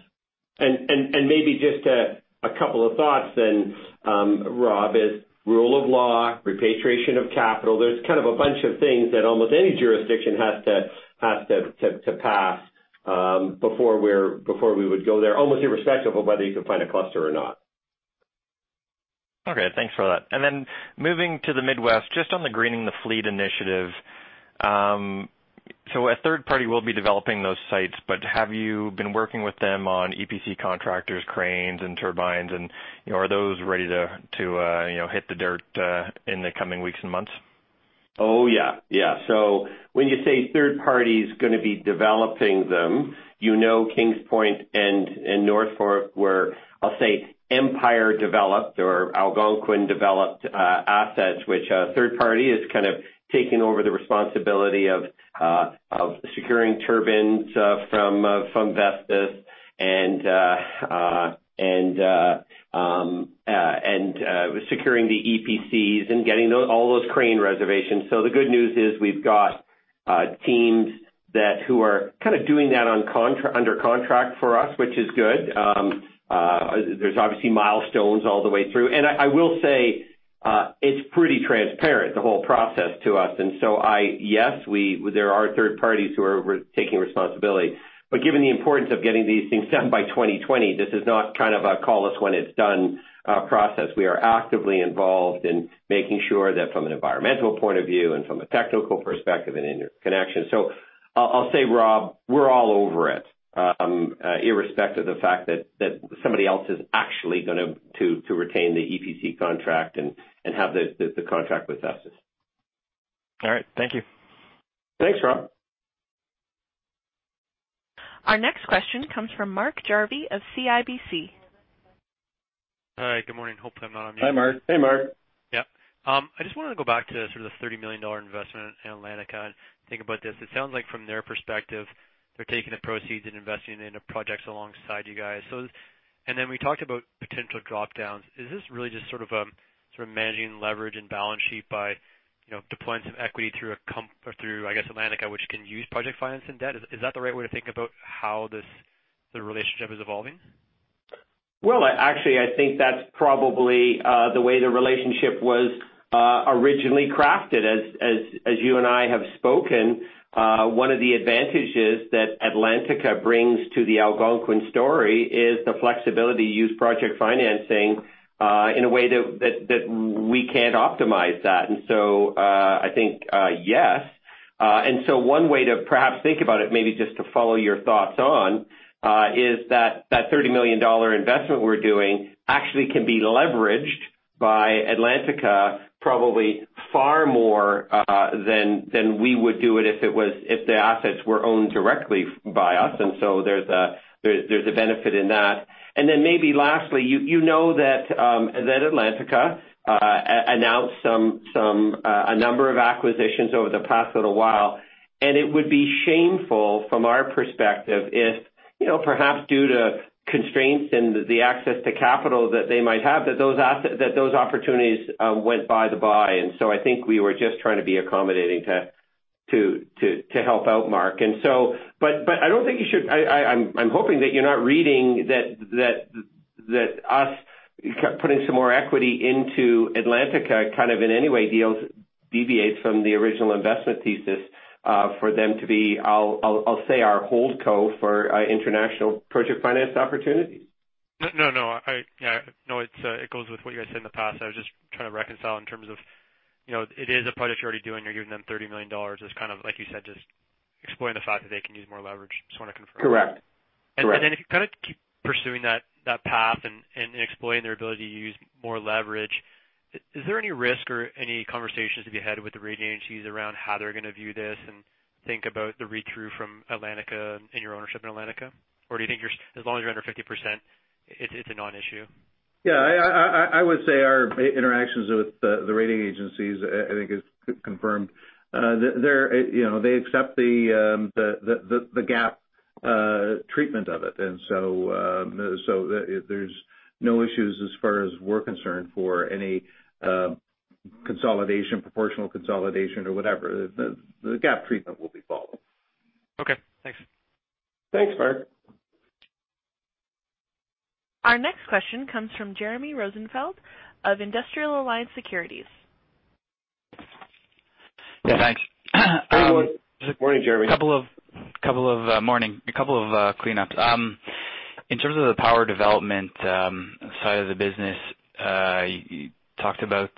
Maybe just a couple of thoughts then, Rob, is rule of law, repatriation of capital. There's kind of a bunch of things that almost any jurisdiction has to pass before we would go there, almost irrespective of whether you can find a cluster or not. Thanks for that. Moving to the Midwest, just on the Greening the Fleet initiative. A third party will be developing those sites, have you been working with them on EPC contractors, cranes, and turbines? Are those ready to hit the dirt in the coming weeks and months? Yeah. When you say third party's going to be developing them, you know Kings Point and North Fork were, I'll say, Empire-developed or Algonquin-developed assets, which a third party has kind of taken over the responsibility of securing turbines from Vestas. Securing the EPCs and getting all those crane reservations. The good news is we've got teams who are kind of doing that under contract for us, which is good. There's obviously milestones all the way through. I will say, it's pretty transparent, the whole process to us. Yes, there are third parties who are taking responsibility. Given the importance of getting these things done by 2020, this is not kind of a call-us-when-it's-done process. We are actively involved in making sure that from an environmental point of view and from a technical perspective, an interconnection. I'll say, Rob, we're all over it, irrespective of the fact that somebody else is actually going to retain the EPC contract and have the contract with us. All right. Thank you. Thanks, Rob. Our next question comes from Mark Jarvi of CIBC. Hi. Good morning. Hopefully I'm not on mute. Hi, Mark. I just wanted to go back to sort of the 30 million dollar investment in Atlantica and think about this. It sounds like from their perspective, they're taking the proceeds and investing it in projects alongside you guys. We talked about potential drop-downs. Is this really just sort of managing leverage and balance sheet by deploying some equity through, I guess, Atlantica, which can use project finance and debt? Is that the right way to think about how the relationship is evolving? Actually, I think that's probably the way the relationship was originally crafted. As you and I have spoken, one of the advantages that Atlantica brings to the Algonquin story is the flexibility to use project financing in a way that we can't optimize that. I think, yes. One way to perhaps think about it, maybe just to follow your thoughts on, is that that 30 million dollar investment we're doing actually can be leveraged by Atlantica probably far more than we would do it if the assets were owned directly by us. There's a benefit in that. Maybe lastly, you know that Atlantica announced a number of acquisitions over the past little while, and it would be shameful from our perspective if, perhaps due to constraints and the access to capital that they might have, that those opportunities went by the by. I think we were just trying to be accommodating to help out, Mark. I'm hoping that you're not reading that us putting some more equity into Atlantica kind of in any way deviates from the original investment thesis for them to be, I'll say, our holdco for international project finance opportunities. No, it goes with what you guys said in the past. I was just trying to reconcile in terms of, it is a project you're already doing. You're giving them 30 million dollars as kind of, like you said, just exploring the fact that they can use more leverage. Just want to confirm. Correct. If you kind of keep pursuing that path and exploring their ability to use more leverage, is there any risk or any conversations to be had with the rating agencies around how they're going to view this and think about the read-through from Atlantica and your ownership in Atlantica? Or do you think as long as you're under 50%, it's a non-issue? Yeah, I would say our interactions with the rating agencies, I think is confirmed. They accept the GAAP treatment of it. There's no issues as far as we're concerned for any consolidation, proportional consolidation or whatever. The GAAP treatment will be followed. Okay, thanks. Thanks, Mark. Our next question comes from Jeremy Rosenfeld of Industrial Alliance Securities. Yeah, thanks. Morning, Jeremy. Morning. A couple of cleanups. In terms of the power development side of the business, you talked about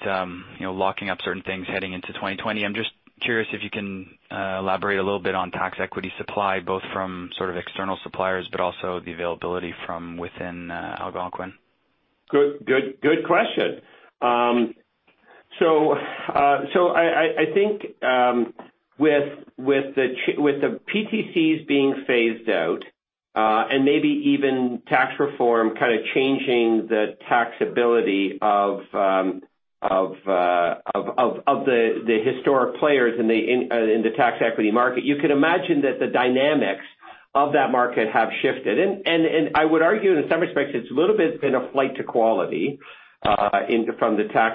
locking up certain things heading into 2020. I'm just curious if you can elaborate a little bit on tax equity supply, both from sort of external suppliers, but also the availability from within Algonquin. Good question. I think with the PTCs being phased out, maybe even tax reform kind of changing the taxability of the historic players in the tax equity market, you can imagine that the dynamics of that market have shifted. I would argue, in some respects, it's a little bit been a flight to quality from the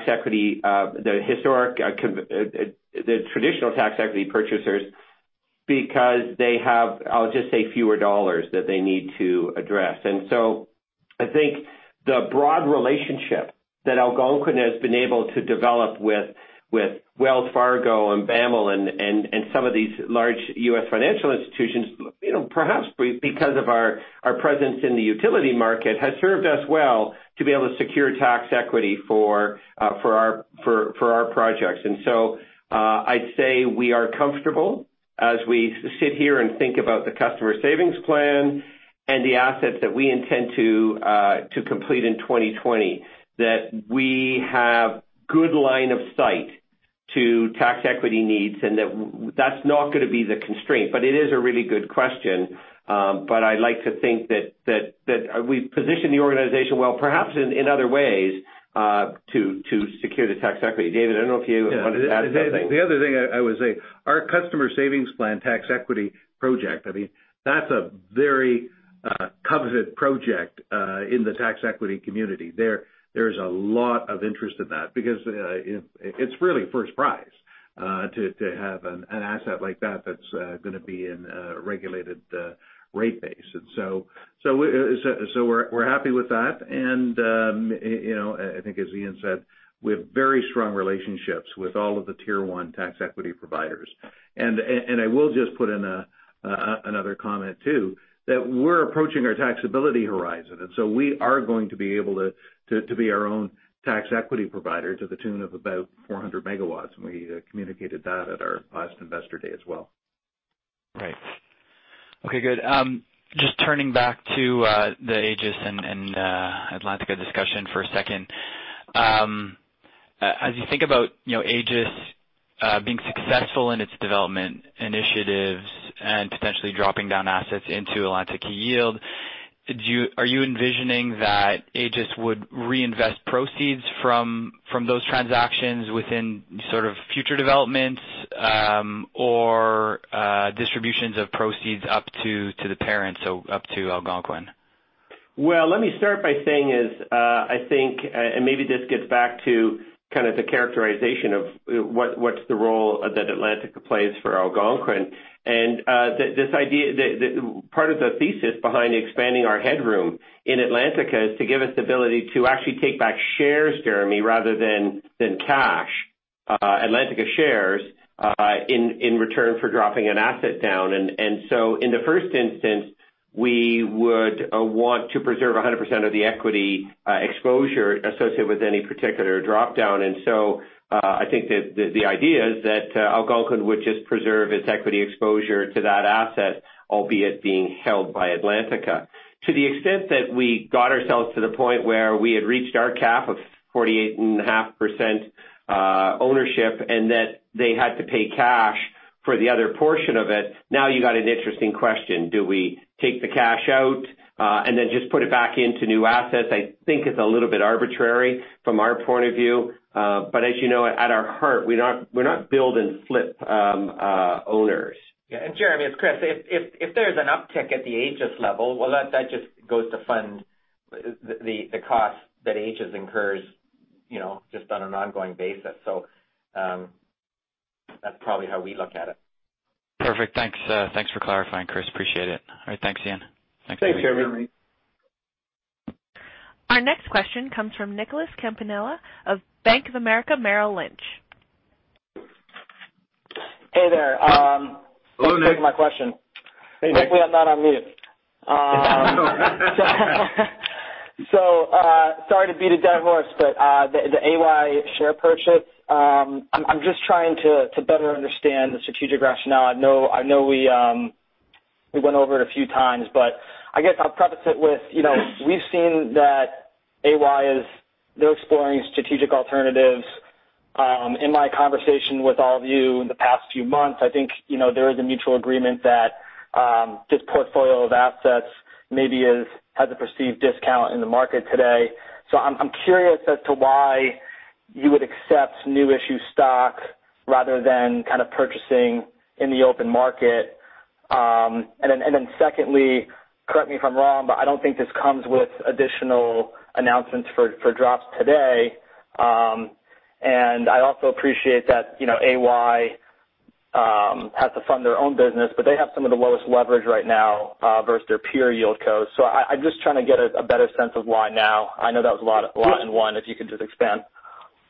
traditional tax equity purchasers, because they have, I'll just say, fewer dollars that they need to address. I think the broad relationship that Algonquin has been able to develop with Wells Fargo and BAML and some of these large U.S. financial institutions, perhaps because of our presence in the utility market, has served us well to be able to secure tax equity for our projects. I'd say we are comfortable as we sit here and think about the Customer Savings Plan and the assets that we intend to complete in 2020, that we have good line of sight to tax equity needs, and that's not going to be the constraint. It is a really good question. I like to think that we've positioned the organization well, perhaps in other ways, to secure the tax equity. David, I don't know if you wanted to add something. The other thing I would say, our Customer Savings Plan tax equity project, that's a very coveted project in the tax equity community. There is a lot of interest in that because it's really first prize. To have an asset like that that's going to be in a regulated rate base. We're happy with that. I think as Ian said, we have very strong relationships with all of the tier 1 tax equity providers. I will just put in another comment too, that we're approaching our taxability horizon. We are going to be able to be our own tax equity provider to the tune of about 400 MW. We communicated that at our last investor day as well. Right. Okay, good. Just turning back to the AAGES and Atlantica discussion for a second. As you think about AAGES being successful in its development initiatives and potentially dropping down assets into Atlantica Yield, are you envisioning that AAGES would reinvest proceeds from those transactions within sort of future developments, or distributions of proceeds up to the parent, so up to Algonquin? Well, let me start by saying, I think, maybe this gets back to kind of the characterization of what's the role that Atlantica plays for Algonquin. Part of the thesis behind expanding our headroom in Atlantica is to give us the ability to actually take back shares, Jeremy, rather than cash. Atlantica shares, in return for dropping an asset down. In the first instance, we would want to preserve 100% of the equity exposure associated with any particular drop-down. I think that the idea is that Algonquin would just preserve its equity exposure to that asset, albeit being held by Atlantica. To the extent that we got ourselves to the point where we had reached our cap of 48.5% ownership, that they had to pay cash for the other portion of it, now you got an interesting question. Do we take the cash out, then just put it back into new assets? I think it's a little bit arbitrary from our point of view. As you know, at our heart, we're not build and flip owners. Yeah. Jeremy, it's Chris. If there's an uptick at the AAGES level, well, that just goes to fund the cost that AAGES incurs just on an ongoing basis. That's probably how we look at it. Perfect. Thanks for clarifying, Chris. Appreciate it. All right. Thanks, Ian. Thanks, Jeremy. Thanks, Jeremy. Our next question comes from Nicholas Campanella of Bank of America Merrill Lynch. Hey there. Hello, Nick. hope you can hear my question. Hey, Nick. Luckily, I'm not on mute. Sorry to beat a dead horse, but the AY share purchase, I'm just trying to better understand the strategic rationale. I know we went over it a few times, but I guess I'll preface it with, we've seen that AY they're exploring strategic alternatives. In my conversation with all of you in the past few months, I think, there is a mutual agreement that this portfolio of assets maybe has a perceived discount in the market today. I'm curious as to why you would accept new issue stock rather than kind of purchasing in the open market. Secondly, correct me if I'm wrong, but I don't think this comes with additional announcements for drops today. I also appreciate that AY has to fund their own business, but they have some of the lowest leverage right now, versus their peer Yieldco. I'm just trying to get a better sense of why now. I know that was a lot in one, if you could just expand.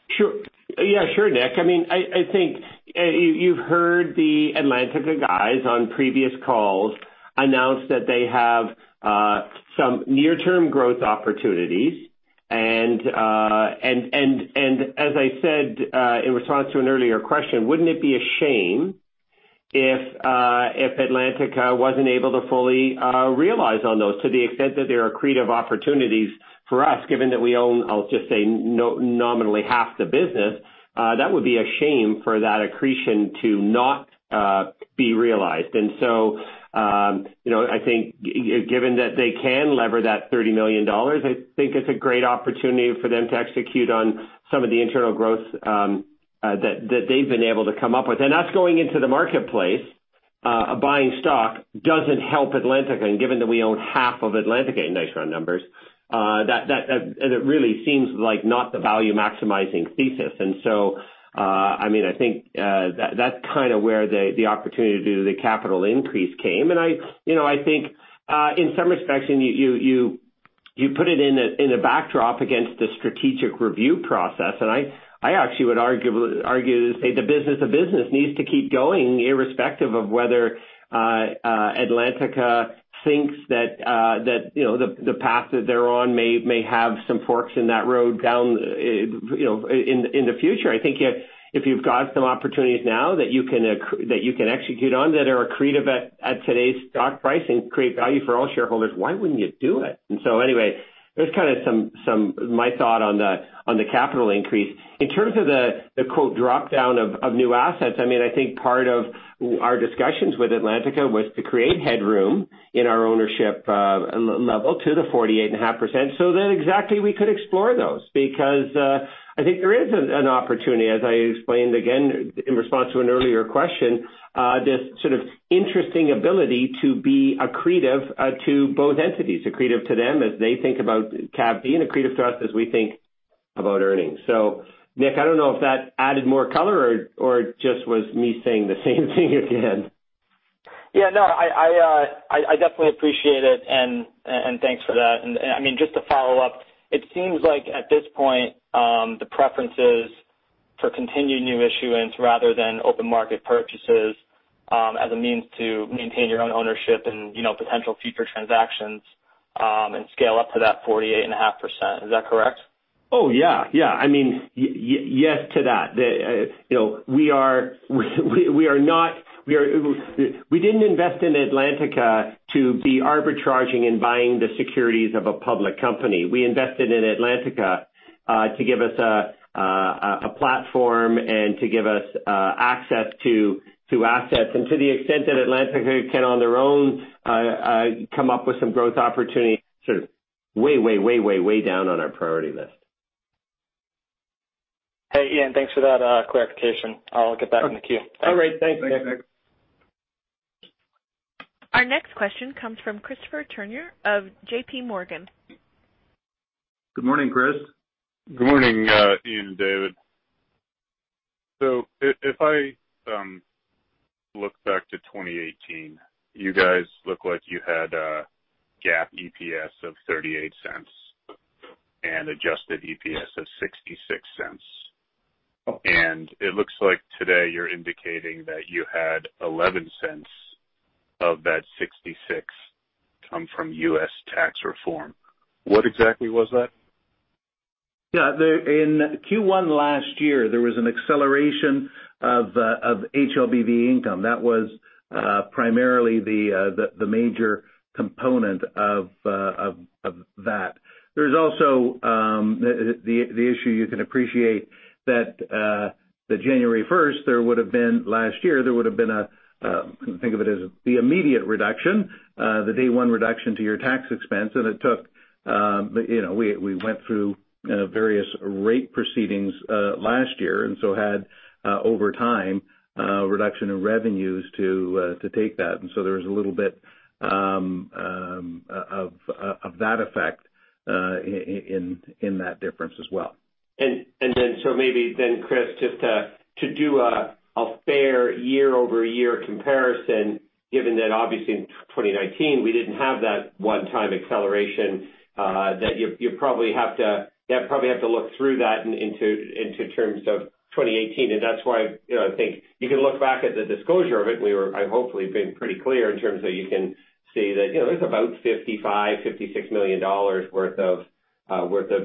Sure. Yeah, sure, Nick. I think you've heard the Atlantica guys on previous calls announce that they have some near-term growth opportunities. As I said, in response to an earlier question, wouldn't it be a shame if Atlantica wasn't able to fully realize on those to the extent that they're accretive opportunities for us, given that we own, I'll just say nominally half the business? That would be a shame for that accretion to not be realized. I think given that they can lever that 30 million dollars, I think it's a great opportunity for them to execute on some of the internal growth that they've been able to come up with. Us going into the marketplace, buying stock doesn't help Atlantica. Given that we own half of Atlantica in nice, round numbers, that really seems like not the value-maximizing thesis. I think that's kind of where the opportunity to do the capital increase came. I think in some respects, and you put it in a backdrop against the strategic review process, I actually would argue to say the business of business needs to keep going irrespective of whether Atlantica thinks that the path that they're on may have some forks in that road down in the future. I think if you've got some opportunities now that you can execute on that are accretive at today's stock price and create value for all shareholders, why wouldn't you do it? Anyway, there's kind of my thought on the capital increase. In terms of the quote drop-down of new assets, I think part of our discussions with Atlantica was to create headroom in our ownership level to the 48.5% so that exactly we could explore those because, I think there is an opportunity, as I explained again in response to an earlier question, this sort of interesting ability to be accretive to both entities. Accretive to them as they think about Cavite and accretive to us as we think about earnings. Nick, I don't know if that added more color or just was me saying the same thing again. Yeah. No, I definitely appreciate it, and thanks for that. Just to follow up, it seems like at this point, the preference is for continued new issuance rather than open market purchases as a means to maintain your own ownership and potential future transactions and scale up to that 48.5%. Is that correct? Oh, yeah. Yes to that. We didn't invest in Atlantica to be arbitraging and buying the securities of a public company. We invested in Atlantica to give us a platform and to give us access to assets. To the extent that Atlantica can, on their own, come up with some growth opportunity, sort of way down on our priority list. Hey, Ian, thanks for that clarification. I'll get back in the queue. All right. Thanks, Nick. Our next question comes from Chris Turner of J.P. Morgan. Good morning, Chris. Good morning, Ian and David. If I look back to 2018, you guys look like you had a GAAP EPS of 0.38 and adjusted EPS of 0.66. Oh. It looks like today you're indicating that you had 0.11 of that 66 come from U.S. tax reform. What exactly was that? Yeah. In Q1 last year, there was an acceleration of HLBV income. That was primarily the major component of that. There's also the issue you can appreciate that January 1st last year, there would've been, think of it as the immediate reduction, the day one reduction to your tax expense. We went through various rate proceedings last year, had, over time, a reduction in revenues to take that. There was a little bit of that effect in that difference as well. Chris, just to do a fair year-over-year comparison, given that obviously in 2019, we didn't have that one-time acceleration, that you probably have to look through that into terms of 2018. That's why I think you can look back at the disclosure of it, where I've hopefully been pretty clear in terms of you can see that there's about 55 million, 56 million dollars worth of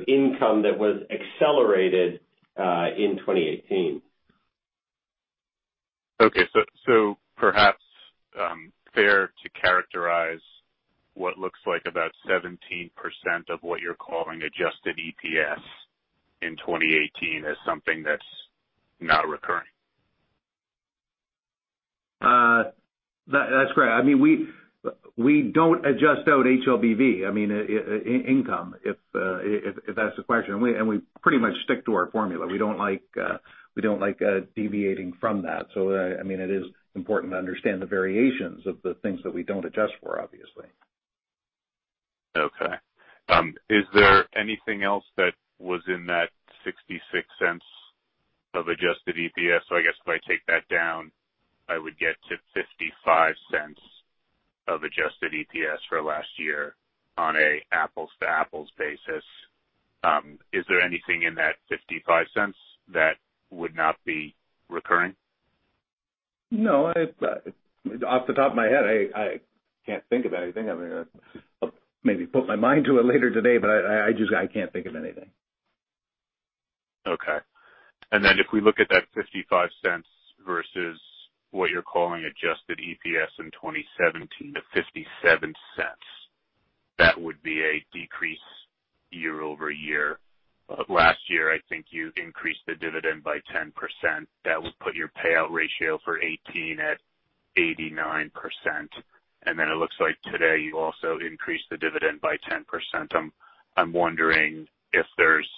income that was accelerated in 2018. Okay. Perhaps fair to characterize what looks like about 17% of what you're calling adjusted EPS in 2018 as something that's not recurring. That's correct. We don't adjust out HLBV income, if that's the question. We pretty much stick to our formula. We don't like deviating from that. It is important to understand the variations of the things that we don't adjust for, obviously. Okay. Is there anything else that was in that 0.66 of adjusted EPS? I guess if I take that down, I would get to 0.55 of adjusted EPS for last year on a apples-to-apples basis. Is there anything in that 0.55 that would not be recurring? No. Off the top of my head, I can't think of anything. I'm going to maybe put my mind to it later today, but I can't think of anything. Okay. If we look at that 0.55 versus what you're calling adjusted EPS in 2017 to 0.57, that would be a decrease year-over-year. Last year, I think you increased the dividend by 10%. That would put your payout ratio for 2018 at 89%. It looks like today you also increased the dividend by 10%. I'm wondering if there's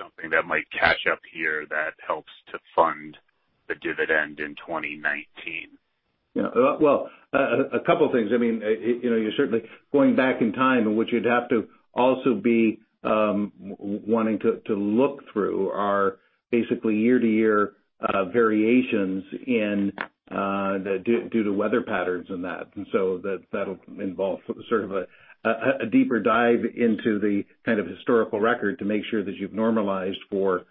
something that might catch up here that helps to fund the dividend in 2019. A two things. You're certainly going back in time in which you'd have to also be wanting to look through our basically year-to-year variations due to weather patterns and that. That'll involve sort of a deeper dive into the kind of historical record to make sure that you've normalized for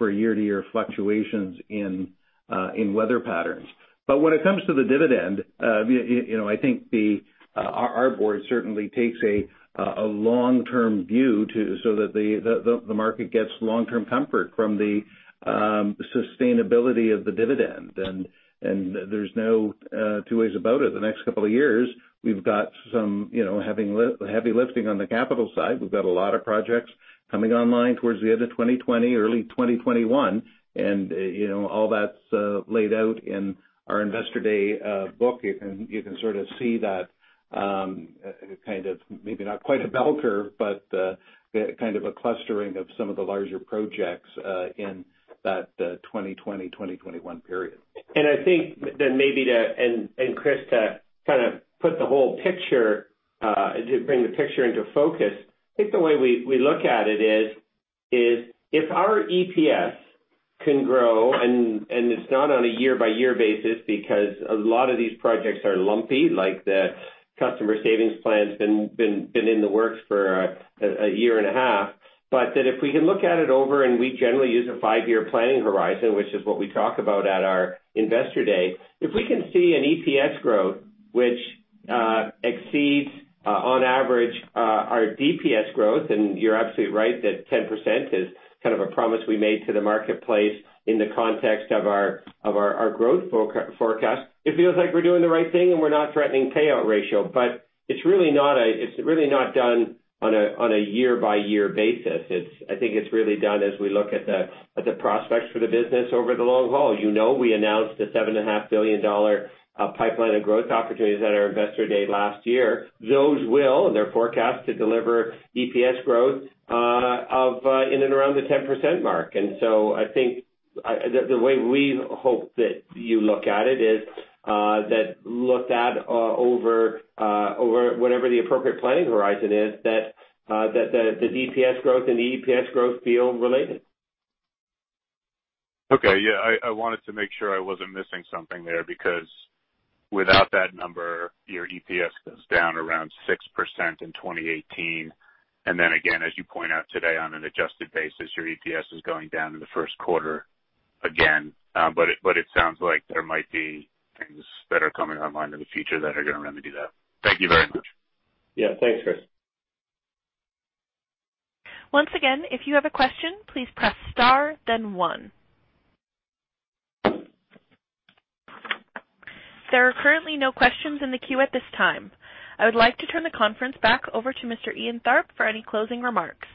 year-to-year fluctuations in weather patterns. When it comes to the dividend, our board certainly takes a long-term view so that the market gets long-term comfort from the sustainability of the dividend. There's no two ways about it. The next two years, we've got some heavy lifting on the capital side. We've got a lot of projects coming online towards the end of 2020, early 2021. All that's laid out in our investor day book. You can sort of see that kind of, maybe not quite a bell curve, but kind of a clustering of some of the larger projects in that 2020, 2021 period. Chris, to kind of put the whole picture, to bring the picture into focus, I think the way we look at it is, if our EPS can grow, and it's not on a year-by-year basis because a lot of these projects are lumpy, like the Customer Savings Plan's been in the works for a year and a half. If we can look at it over, and we generally use a five-year planning horizon, which is what we talk about at our investor day. If we can see an EPS growth which exceeds, on average, our DPS growth, and you're absolutely right that 10% is kind of a promise we made to the marketplace in the context of our growth forecast. It feels like we're doing the right thing, and we're not threatening payout ratio. It's really not done on a year-by-year basis. I think it's really done as we look at the prospects for the business over the long haul. You know, we announced a 7.5 billion dollar pipeline of growth opportunities at our investor day last year. Those will, and they're forecast to deliver EPS growth of in and around the 10% mark. I think the way we hope that you look at it is that looked at over whatever the appropriate planning horizon is, that the DPS growth and the EPS growth feel related. Okay. Yeah. I wanted to make sure I wasn't missing something there because without that number, your EPS goes down around 6% in 2018. Then again, as you point out today, on an adjusted basis, your EPS is going down in the first quarter again. It sounds like there might be things that are coming online in the future that are going to remedy that. Thank you very much. Yeah. Thanks, Chris. Once again, if you have a question, please press star then one. There are currently no questions in the queue at this time. I would like to turn the conference back over to Mr. Ian Robertson for any closing remarks.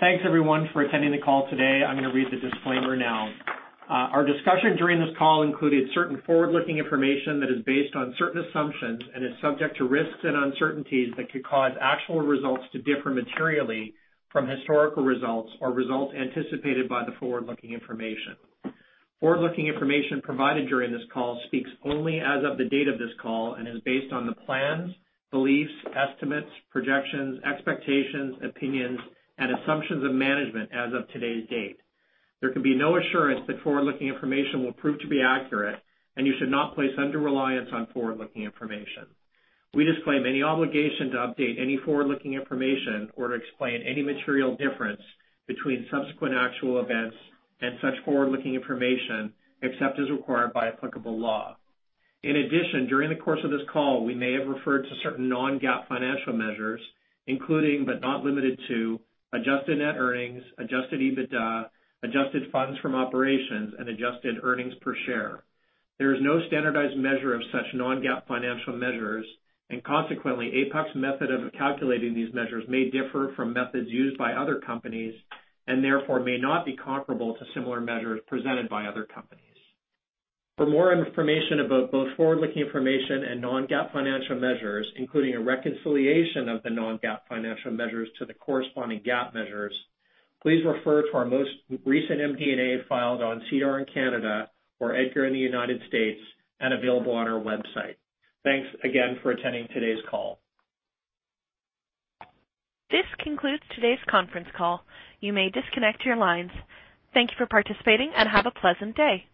Thanks everyone for attending the call today. I'm going to read the disclaimer now. Our discussion during this call included certain forward-looking information that is based on certain assumptions and is subject to risks and uncertainties that could cause actual results to differ materially from historical results or results anticipated by the forward-looking information. Forward-looking information provided during this call speaks only as of the date of this call and is based on the plans, beliefs, estimates, projections, expectations, opinions, and assumptions of management as of today's date. There can be no assurance that forward-looking information will prove to be accurate, and you should not place undue reliance on forward-looking information. We disclaim any obligation to update any forward-looking information or to explain any material difference between subsequent actual events and such forward-looking information, except as required by applicable law. During the course of this call, we may have referred to certain non-GAAP financial measures, including, but not limited to, adjusted net earnings, adjusted EBITDA, adjusted funds from operations, and adjusted earnings per share. There is no standardized measure of such non-GAAP financial measures, and consequently, APUC's method of calculating these measures may differ from methods used by other companies and therefore may not be comparable to similar measures presented by other companies. For more information about both forward-looking information and non-GAAP financial measures, including a reconciliation of the non-GAAP financial measures to the corresponding GAAP measures, please refer to our most recent MD&A filed on SEDAR in Canada or EDGAR in the U.S. and available on our website. Thanks again for attending today's call. This concludes today's conference call. You may disconnect your lines. Thank you for participating and have a pleasant day.